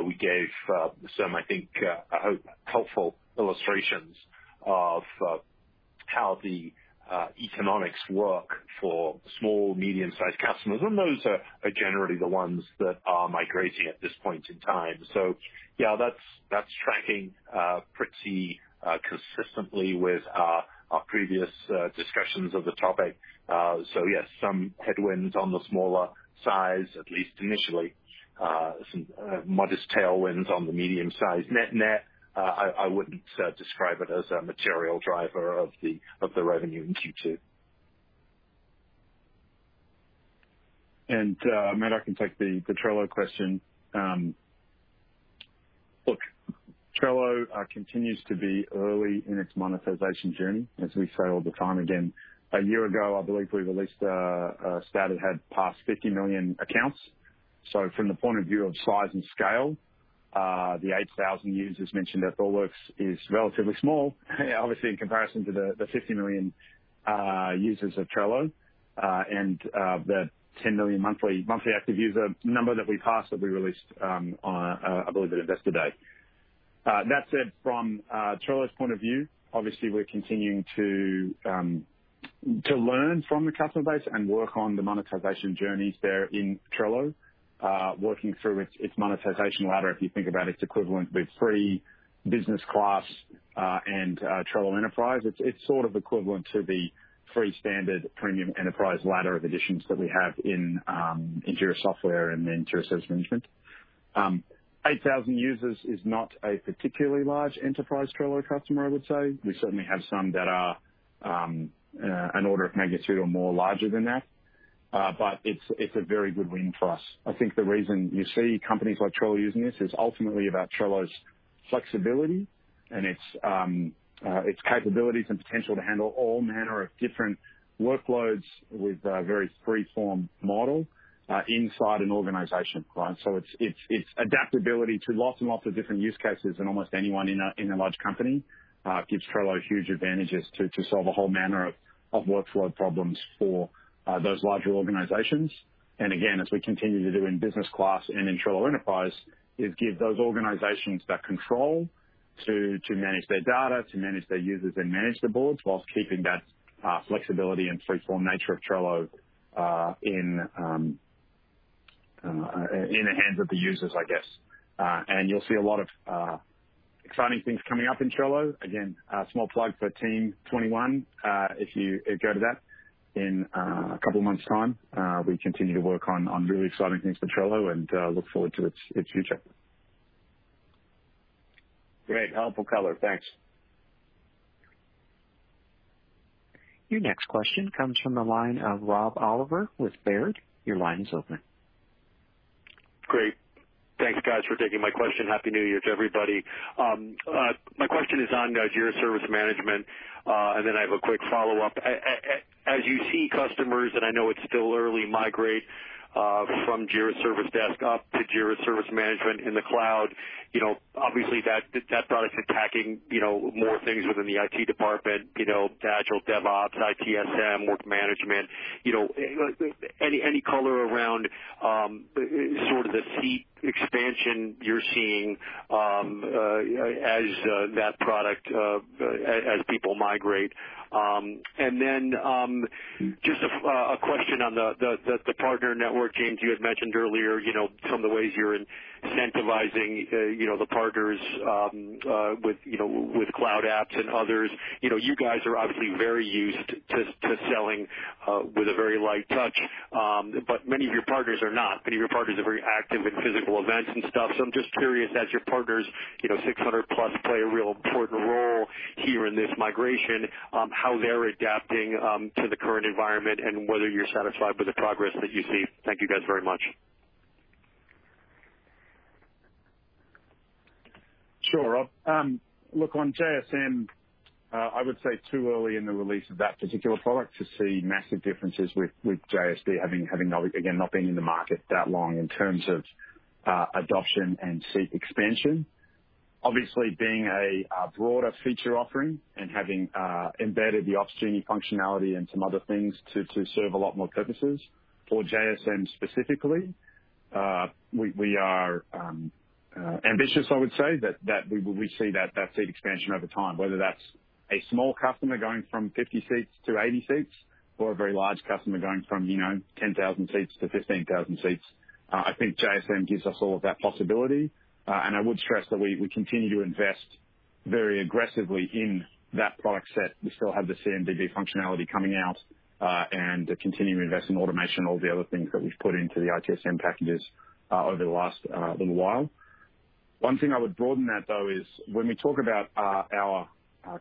we gave some, I think, I hope, helpful illustrations of how the economics work for small, medium-sized customers. Those are generally the ones that are migrating at this point in time. Yeah, that's tracking pretty consistently with our previous discussions of the topic. Yes, some headwinds on the smaller size, at least initially. Some modest tailwinds on the medium size. Net net, I wouldn't describe it as a material driver of the revenue in Q2. Matt, I can take the Trello question. Look, Trello continues to be early in its monetization journey, as we say all the time. A year ago, I believe we released a stat it had passed 50 million accounts. From the point of view of size and scale, the 8,000 users mentioned at Thoughtworks is relatively small, obviously in comparison to the 50 million users of Trello, and the 10 million monthly active user number that we passed that we released, I believe at Investor Day. That said, from Trello's point of view, obviously we're continuing to learn from the customer base and work on the monetization journeys there in Trello. Working through its monetization ladder, if you think about its equivalent with free business class and Trello Enterprise, it's sort of equivalent to the free standard premium enterprise ladder of editions that we have in Jira Software and in Jira Service Management. 8,000 users is not a particularly large enterprise Trello customer, I would say. We certainly have some that are an order of magnitude or more larger than that. It's a very good win for us. I think the reason you see companies like Trello using this is ultimately about Trello's flexibility and its capabilities and potential to handle all manner of different workloads with a very free form model inside an organization. Its adaptability to lots and lots of different use cases and almost anyone in a large company gives Trello huge advantages to solve a whole manner of workload problems for those larger organizations. Again, as we continue to do in business class and in Trello Enterprise, is give those organizations that control to manage their data, to manage their users, and manage the boards whilst keeping that flexibility and free form nature of Trello in the hands of the users, I guess. You'll see a lot of exciting things coming up in Trello. Again, a small plug for Team '21, if you go to that in a couple of months’ time. We continue to work on really exciting things for Trello and look forward to its future. Great helpful color. Thanks. Your next question comes from the line of Rob Oliver with Baird. Your line is open. Great. Thank you guys for taking my question. Happy New Year to everybody. My question is on Jira Service Management. Then I have a quick follow-up. As you see customers, and I know it's still early, migrate from Jira Service Desk up to Jira Service Management in the cloud. Obviously that product's attacking more things within the IT department, agile DevOps, ITSM, work management. Any color around sort of the seat expansion you're seeing as people migrate? Just a question on the partner network, James, you had mentioned earlier some of the ways you're incentivizing the partners with cloud apps and others. You guys are obviously very used to selling with a very light touch, but many of your partners are not. Many of your partners are very active in physical events and stuff. I'm just curious, as your partners, 600+ play a real important role here in this migration, how they're adapting to the current environment and whether you're satisfied with the progress that you see? Thank you guys very much. Sure, Rob. Look on JSM, I would say too early in the release of that particular product to see massive differences with JSD having, again, not being in the market that long in terms of adoption and seat expansion. Being a broader feature offering and having embedded the Opsgenie functionality and some other things to serve a lot more purposes. For JSM specifically, we are ambitious, I would say that we see that seat expansion over time, whether that's a small customer going from 50 seats to 80 seats or a very large customer going from 10,000 seats to 15,000 seats. I think JSM gives us all of that possibility. I would stress that we continue to invest very aggressively in that product set. We still have the CMDB functionality coming out, and continue to invest in automation, all the other things that we've put into the ITSM packages over the last little while. One thing I would broaden that, though, is when we talk about our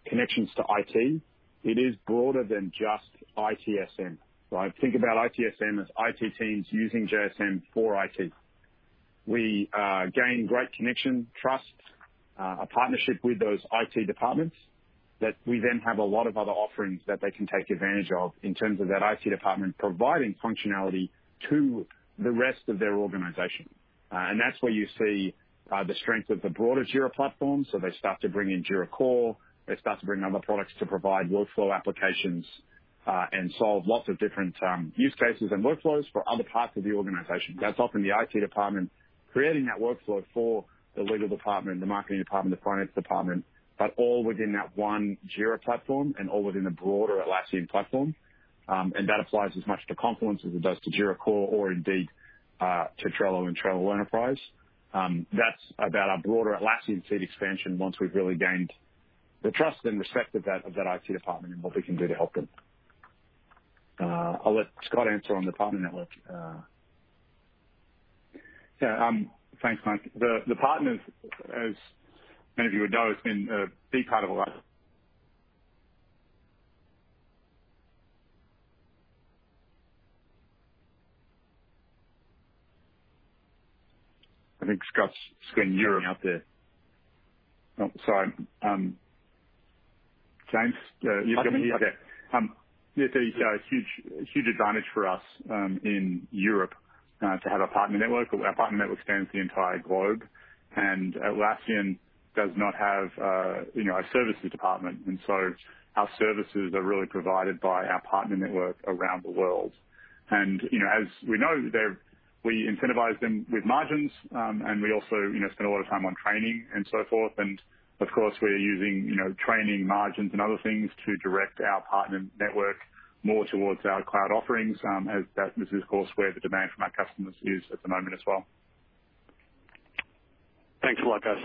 connections to IT, it is broader than just ITSM, right? Think about ITSM as IT teams using JSM for IT. We gain great connection, trust, a partnership with those IT departments that we then have a lot of other offerings that they can take advantage of in terms of that IT department providing functionality to the rest of their organization. That's where you see the strength of the broader Jira platform. They start to bring in Jira Core, they start to bring other products to provide workflow applications, and solve lots of different use cases and workflows for other parts of the organization. That's often the IT department creating that workflow for the legal department, the marketing department, the finance department, but all within that one Jira platform and all within the broader Atlassian platform. That applies as much to Confluence as it does to Jira Core or indeed, to Trello and Trello Enterprise. That's about our broader Atlassian seat expansion once we've really gained the trust and respect of that IT department and what we can do to help them. I'll let Scott answer on the partner network. Yeah, thanks, Mike. The partners, as many of you would know, have been a big part of Atlassian. I think Scott's getting Europe out there. Oh, sorry. James, you got me? I did. Okay. Yeah, it's a huge advantage for us in Europe to have a partner network. Our partner network spans the entire globe. Atlassian does not have a services department, and so our services are really provided by our partner network around the world. As we know, we incentivize them with margins, and we also spend a lot of time on training and so forth. Of course, we are using training margins and other things to direct our partner network more towards our cloud offerings, as that is, of course, where the demand from our customers is at the moment as well. Thanks a lot, guys.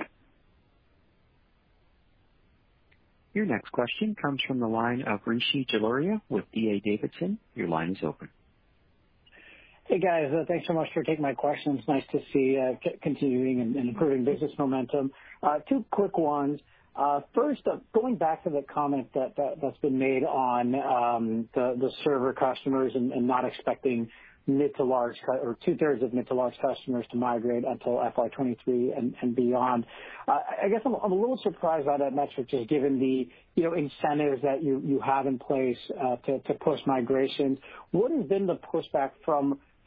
Your next question comes from the line of Rishi Jaluria with D.A. Davidson. Your line is open. Hey, guys. Thanks so much for taking my questions. Nice to see continuing and improving business momentum. Two quick ones. First, going back to the comment that's been made on the server customers and not expecting mid to large, or two-thirds of mid to large customers to migrate until FY 2023 and beyond. I guess I'm a little surprised by that metric, just given the incentives that you have in place to push migrations. What has been the pushback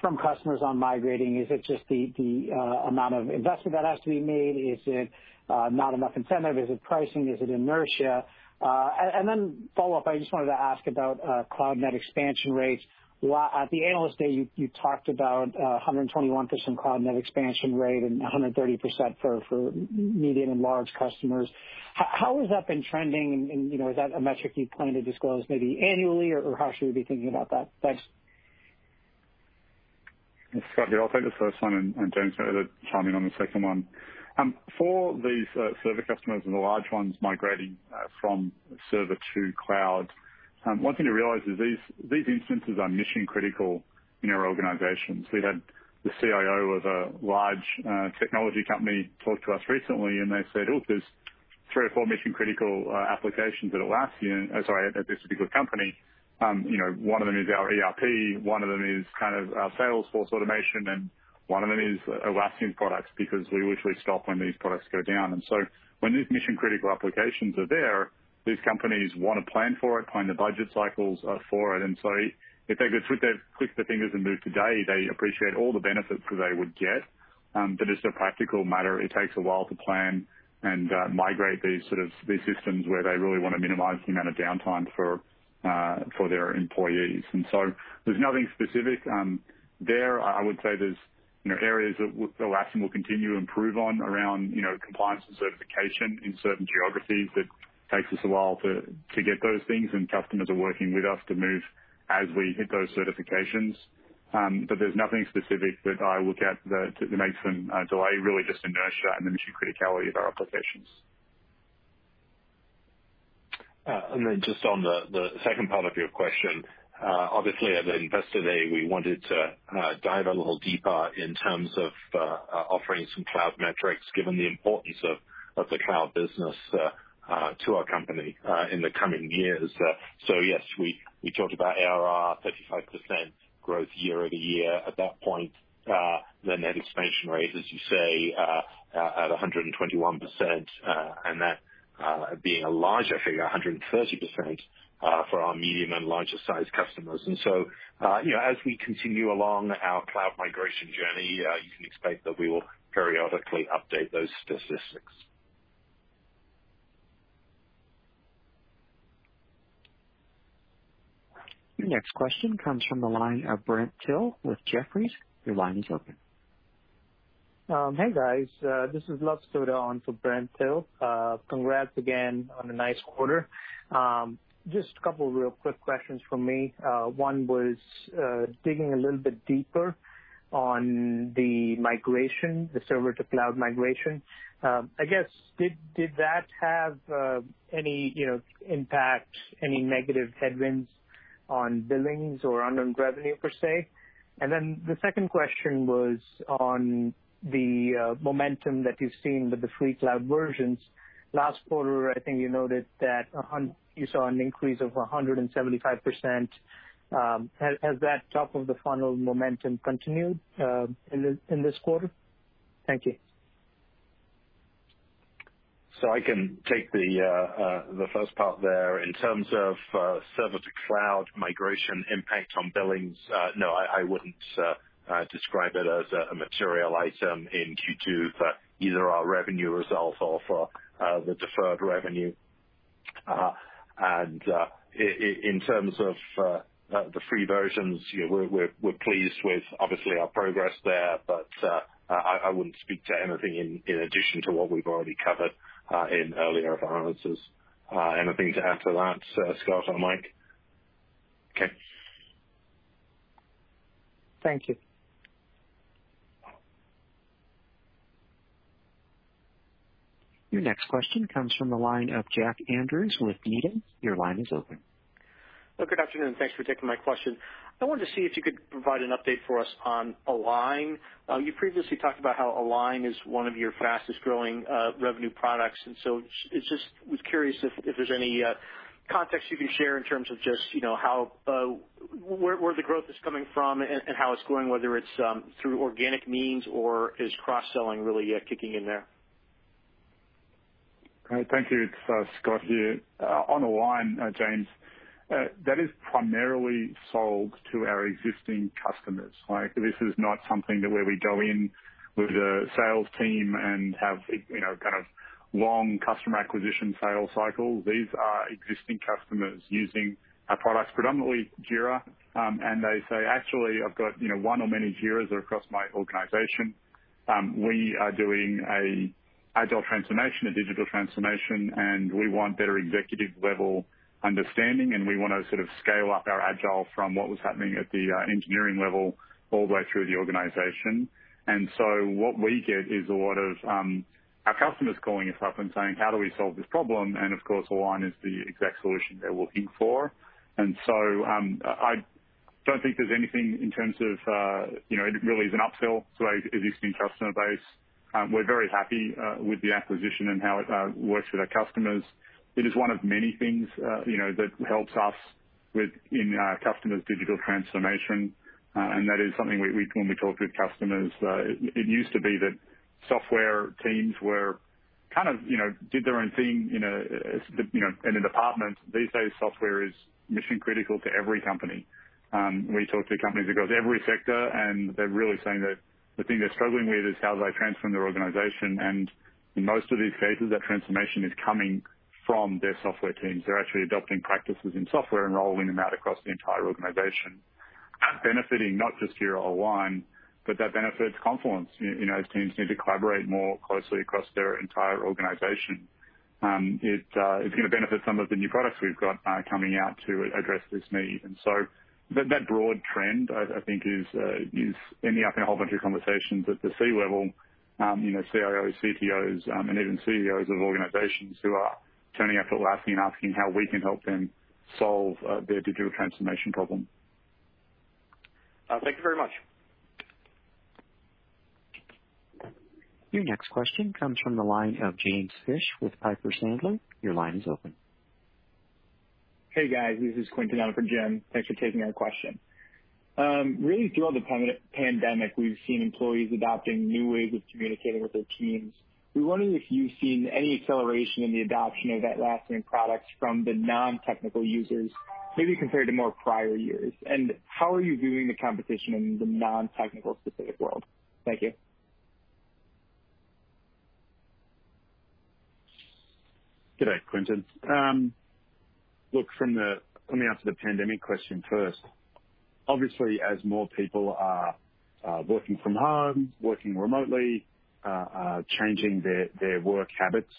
from customers on migrating? Is it just the amount of investment that has to be made? Is it not enough incentive? Is it pricing? Is it inertia? Then follow up, I just wanted to ask about cloud net expansion rates. At the Analyst Day, you talked about 121% cloud net expansion rate and 130% for medium and large customers. How has that been trending and is that a metric you plan to disclose maybe annually or how should we be thinking about that? Thanks. Scott here. I'll take the first one, and James can either chime in on the second one. For these server customers and the large ones migrating from server to cloud, one thing to realize is these instances are mission-critical in our organizations. We had the CIO of a large technology company talk to us recently. They said, "Look, three or four mission-critical applications at Atlassian, sorry, at this particular company. One of them is our ERP, one of them is our salesforce automation, and one of them is Atlassian's products, because we literally stop when these products go down. When these mission-critical applications are there, these companies want to plan for it, plan the budget cycles for it. If they could click their fingers and move today, they appreciate all the benefits that they would get. As a practical matter, it takes a while to plan and migrate these systems where they really want to minimize the amount of downtime for their employees. There's nothing specific there. I would say there's areas that Atlassian will continue to improve on around compliance and certification in certain geographies. That takes us a while to get those things, and customers are working with us to move as we hit those certifications. There's nothing specific that I look at that makes them delay, really just inertia and the mission criticality of our applications. Just on the second part of your question. Obviously, at Investor Day, we wanted to dive a little deeper in terms of offering some cloud metrics, given the importance of the cloud business to our company in the coming years. Yes, we talked about ARR, 35% growth year-over-year at that point. The net expansion rate, as you say, at 121%, and that being a larger figure, 130%, for our medium and larger-sized customers. As we continue along our cloud migration journey, you can expect that we will periodically update those statistics. Your next question comes from the line of Brent Thill with Jefferies. Your line is open. Hey, guys. This is Luv Sodha on for Brent Thill. Congrats again on a nice quarter. Just a couple of real quick questions from me. One was digging a little bit deeper on the server-to-cloud migration. I guess, did that have any impact, any negative headwinds on billings or unearned revenue per se? The second question was on the momentum that you're seeing with the free cloud versions. Last quarter, I think you noted that you saw an increase of 175%. Has that top-of-the-funnel momentum continued in this quarter? Thank you. I can take the first part there. In terms of server-to-cloud migration impact on billings, no, I wouldn't describe it as a material item in Q2 for either our revenue results or for the deferred revenue. In terms of the free versions, we're pleased with, obviously, our progress there. I wouldn't speak to anything in addition to what we've already covered in earlier announcements. Anything to add to that, Scott or Mike? Okay. Thank you. Your next question comes from the line of Jack Andrews with Needham. Your line is open. Good afternoon. Thanks for taking my question. I wanted to see if you could provide an update for us on Align. You previously talked about how Align is one of your fastest-growing revenue products, and so just was curious if there's any context you could share in terms of just where the growth is coming from and how it's growing, whether it's through organic means or is cross-selling really kicking in there? Thank you. It's Scott here. On Align, James, that is primarily sold to our existing customers. This is not something that where we go in with a sales team and have long customer acquisition sales cycles. These are existing customers using our products, predominantly Jira, they say, "Actually, I've got one or many Jiras across my organization. We are doing an agile transformation, a digital transformation, we want better executive-level understanding, we want to scale up our agile from what was happening at the engineering level all the way through the organization." So what we get is a lot of our customers calling us up and saying, "How do we solve this problem?" Of course, Align is the exact solution they're looking for. So I don't think there's anything in terms of. It really is an upsell to our existing customer base. We're very happy with the acquisition and how it works with our customers. It is one of many things that helps us in our customers' digital transformation. That is something when we talk with customers, it used to be that software teams did their own thing in a department. These days, software is mission-critical to every company. We talk to companies across every sector, and they're really saying that the thing they're struggling with is how they transform their organization. In most of these cases, that transformation is coming from their software teams. They're actually adopting practices in software and rolling them out across the entire organization. That's benefiting not just Jira or Align, but that benefits Confluence. Those teams need to collaborate more closely across their entire organization. It's going to benefit some of the new products we've got coming out to address this need. That broad trend, I think, is ending up in a whole bunch of conversations at the C-level, CIOs, CTOs, and even CEOs of organizations who are turning up to Atlassian and asking how we can help them solve their digital transformation problem. Thank you very much. Your next question comes from the line of James Fish with Piper Sandler. Your line is open. Hey, guys. This is Quentin in for Jim. Thanks for taking our question. Really throughout the pandemic, we've seen employees adopting new ways of communicating with their teams. We're wondering if you've seen any acceleration in the adoption of Atlassian products from the non-technical users, maybe compared to more prior years. How are you viewing the competition in the non-technical specific world? Thank you. Good day, Quentin. Look, coming out to the pandemic question first. Obviously, as more people are working from home, working remotely, changing their work habits,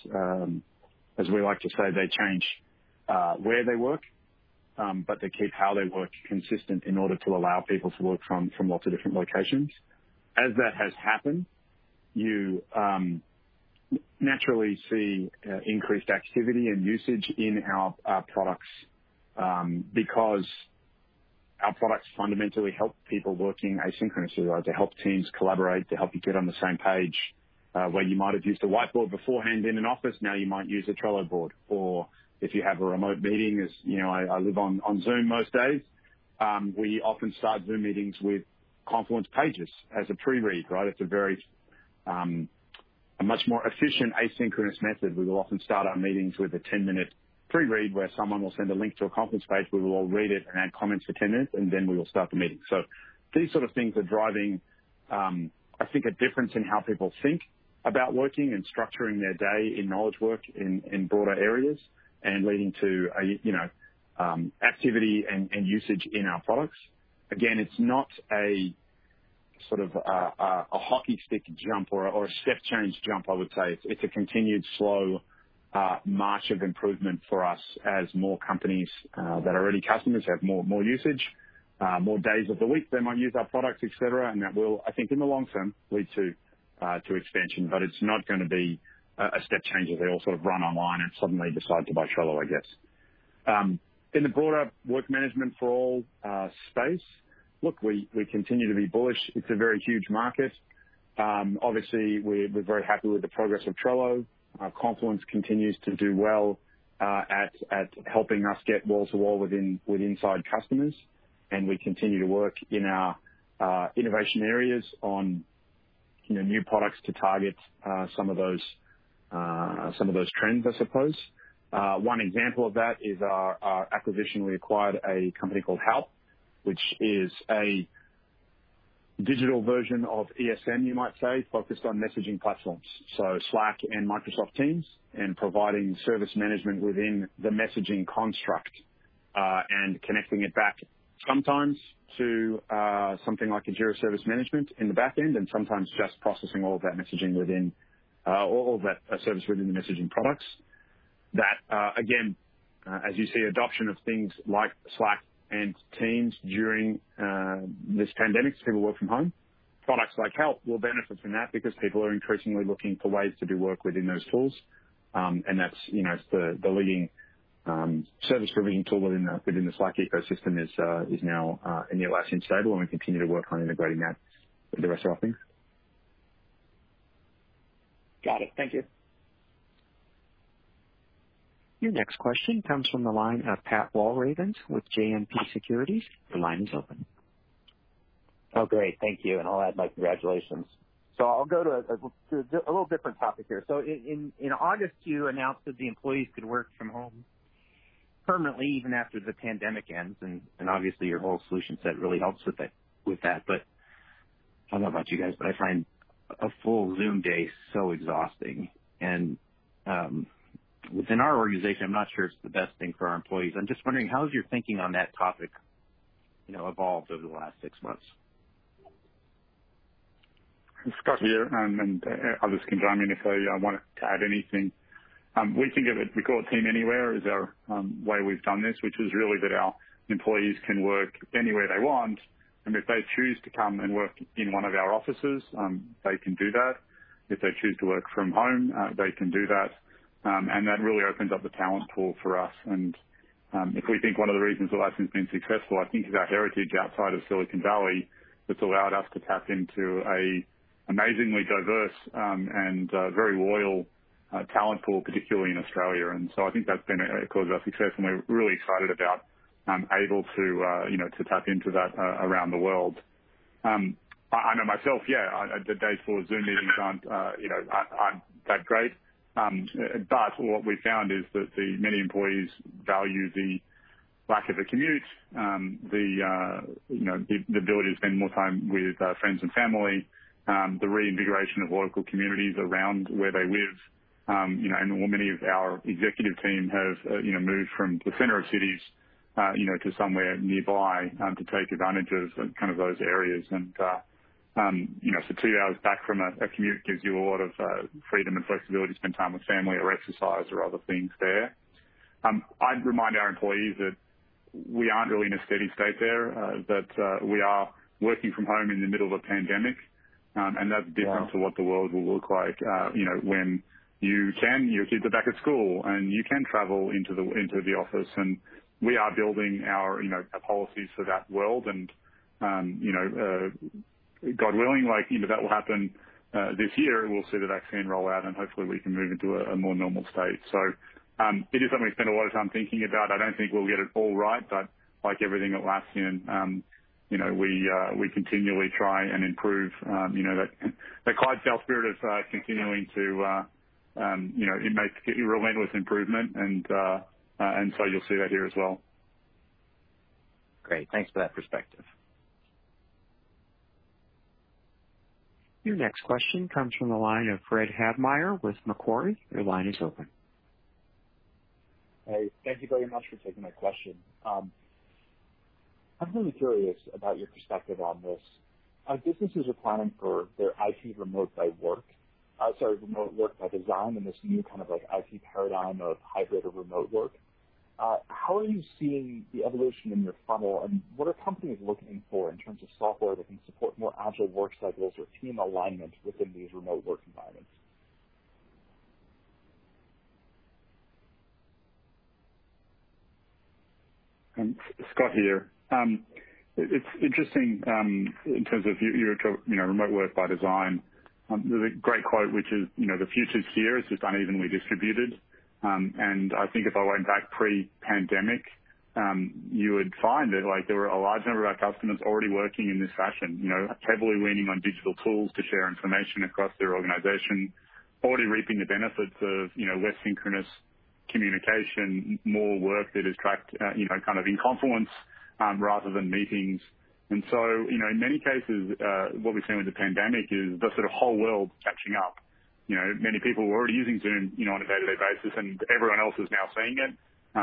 as we like to say, they change where they work, but they keep how they work consistent in order to allow people to work from lots of different locations. As that has happened, you naturally see increased activity and usage in our products, because our products fundamentally help people working asynchronously. They help teams collaborate, they help you get on the same page. Where you might have used a whiteboard beforehand in an office, now you might use a Trello board. If you have a remote meeting, as you know, I live on Zoom most days. We often start Zoom meetings with Confluence pages as a pre-read. It's a much more efficient asynchronous method. We will often start our meetings with a 10-minute pre-read where someone will send a link to a Confluence page. We will all read it and add comments for 10 minutes, and then we will start the meeting. These sort of things are driving, I think, a difference in how people think about working and structuring their day in knowledge work in broader areas, and leading to activity and usage in our products. Again, it's not a hockey stick jump or a step change jump, I would say. It's a continued slow march of improvement for us as more companies that are already customers have more usage, more days of the week they might use our products, et cetera. That will, I think, in the long term, lead to expansion. It's not going to be a step change as they all run online and suddenly decide to buy Trello, I guess. In the broader work management for all space, look, we continue to be bullish. It's a very huge market. Obviously, we're very happy with the progress of Trello. Confluence continues to do well at helping us get wall to wall with inside customers, and we continue to work in our innovation areas on new products to target some of those trends, I suppose. One example of that is our acquisition. We acquired a company called Halp, which is a digital version of ESM, you might say, focused on messaging platforms, so Slack and Microsoft Teams, and providing service management within the messaging construct. Connecting it back sometimes to something like a Jira Service Management in the back end, and sometimes just processing all of that service within the messaging products. That, again, as you see adoption of things like Slack and Teams during this pandemic as people work from home, products like Halp will benefit from that because people are increasingly looking for ways to do work within those tools. The leading service provisioning tool within the Slack ecosystem is now in the Atlassian stable, and we continue to work on integrating that with the rest of our things. Got it. Thank you. Your next question comes from the line of Pat Walravens with JMP Securities. Your line is open. Oh, great. Thank you. I'll add my congratulations. I'll go to a little different topic here. In August, you announced that the employees could work from home permanently, even after the pandemic ends. Obviously, your whole solution set really helps with that. I don't know about you guys, but I find a full Zoom day so exhausting. Within our organization, I'm not sure it's the best thing for our employees. I'm just wondering, how has your thinking on that topic evolved over the last six months? It's Scott here. Others can join in if they want to add anything. We call it Team Anywhere, is our way we've done this, which is really that our employees can work anywhere they want, and if they choose to come and work in one of our offices, they can do that. If they choose to work from home, they can do that. That really opens up the talent pool for us. If we think one of the reasons Atlassian's been successful, I think is our heritage outside of Silicon Valley that's allowed us to tap into an amazingly diverse and very loyal talent pool, particularly in Australia. I think that's been a cause of our success, and we're really excited about able to tap into that around the world. I know myself, yeah, the days full of Zoom meetings aren't that great. What we've found is that the many employees value the lack of a commute, the ability to spend more time with friends and family, the reinvigoration of local communities around where they live. I know many of our executive team have moved from the center of cities to somewhere nearby to take advantage of those areas. So 2 hours back from a commute gives you a lot of freedom and flexibility to spend time with family or exercise or other things there. I'd remind our employees that we aren't really in a steady state there, that we are working from home in the middle of a pandemic, and that's different to what the world will look like when your kids are back at school, and you can travel into the office. We are building our policies for that world. God willing, that will happen this year. We'll see the vaccine rollout, and hopefully, we can move into a more normal state. It is something we spend a lot of time thinking about. I don't think we'll get it all right, but like everything Atlassian, we continually try and improve. That cloud sales spirit of continuing to make relentless improvement. You'll see that here as well. Great. Thanks for that perspective. Your next question comes from the line of Fred Havemeyer with Macquarie. Your line is open. Hey, thank you very much for taking my question. I'm really curious about your perspective on this. Businesses are planning for their remote work by design, this new kind of IT paradigm of hybrid or remote work. How are you seeing the evolution in your funnel, what are companies looking for in terms of software that can support more agile work cycles or team alignment within these remote work environments? Scott here. It's interesting in terms of remote work by design. There's a great quote, which is, "The future's here, it's just unevenly distributed." I think if I went back pre-pandemic, you would find that there were a large number of our customers already working in this fashion. Heavily leaning on digital tools to share information across their organization, already reaping the benefits of less synchronous communication, more work that is tracked in Confluence rather than meetings. In many cases, what we've seen with the pandemic is the sort of whole world catching up. Many people were already using Zoom on a day-to-day basis, and everyone else is now seeing it.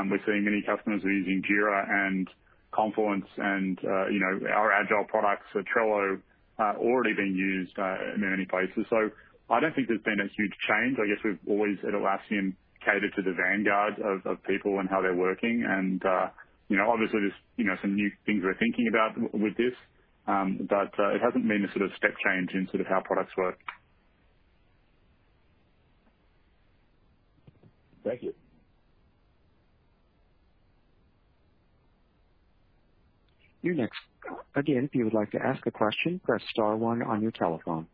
We're seeing many customers who are using Jira and Confluence and our agile products, so Trello, already being used in many places. I don't think there's been a huge change. I guess we've always at Atlassian catered to the vanguard of people and how they're working. Obviously, there's some new things we're thinking about with this. It hasn't been a sort of step change in how products work. Thank you. Again, if you would like to ask a question, press star one on your telephone.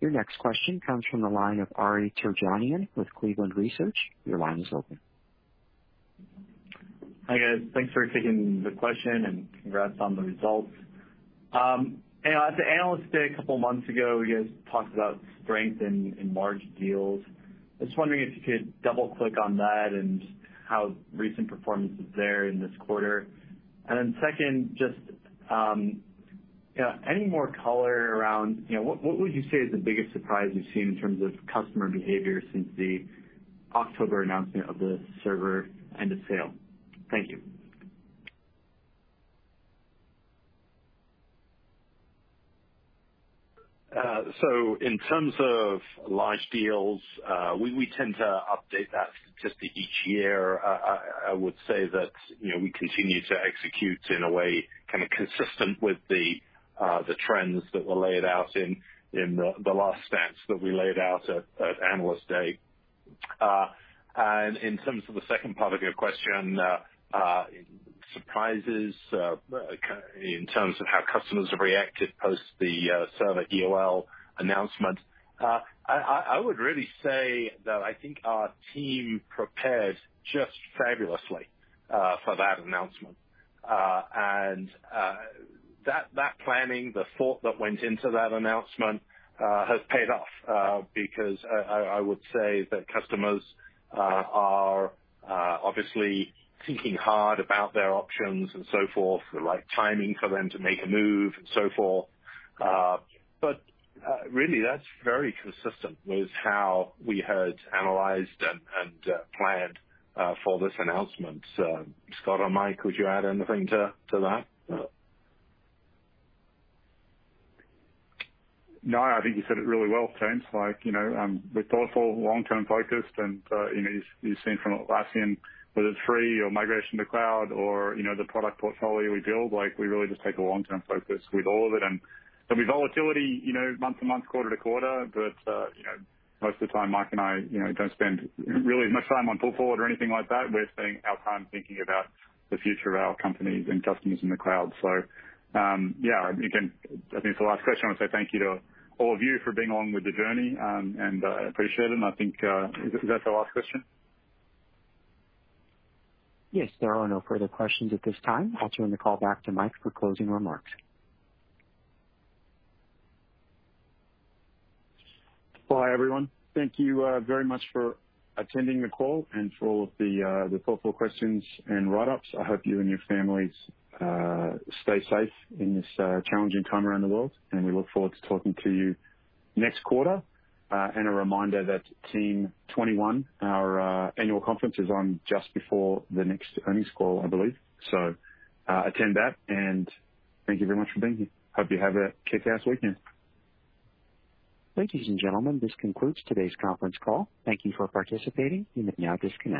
Your next question comes from the line of Ari Terjanian with Cleveland Research. Your line is open. Hi, guys. Thanks for taking the question. Congrats on the results. At the Analyst Day a couple of months ago, you guys talked about strength in large deals. I was wondering if you could double-click on that and how recent performance is there in this quarter. Second, just any more color around what would you say is the biggest surprise you've seen in terms of customer behavior since the October announcement of the server end of sale? Thank you. In terms of large deals, we tend to update that statistically each year. I would say that we continue to execute in a way consistent with the trends that were laid out in the last stats that we laid out at Analyst Day. In terms of the second part of your question, surprises in terms of how customers have reacted post the server EOL announcement. I would really say that I think our team prepared just fabulously for that announcement. That planning, the thought that went into that announcement, has paid off, because I would say that customers are obviously thinking hard about their options and so forth, like timing for them to make a move and so forth. Really, that's very consistent with how we had analyzed and planned for this announcement. Scott or Mike, would you add anything to that? I think you said it really well, James. We're thoughtful, long-term focused, and as you've seen from Atlassian, whether it's free or migration to cloud or the product portfolio we build, we really just take a long-term focus with all of it, and there'll be volatility month to month, quarter-to-quarter. Most of the time, Mike and I don't spend really much time on pull forward or anything like that. We're spending our time thinking about the future of our company and customers in the cloud. Yeah, again, I think it's the last question. I want to say thank you to all of you for being along with the journey, and I appreciate it. I think, is that the last question? Yes. There are no further questions at this time. I'll turn the call back to Mike for closing remarks. Bye, everyone. Thank you very much for attending the call and for all of the thoughtful questions and write-ups. I hope you and your families stay safe in this challenging time around the world, and we look forward to talking to you next quarter. A reminder that Team '21, our annual conference, is on just before the next earnings call, I believe. Attend that. Thank you very much for being here. Hope you have a kickass weekend. Ladies and gentlemen, this concludes today's conference call. Thank you for participating. You may now disconnect.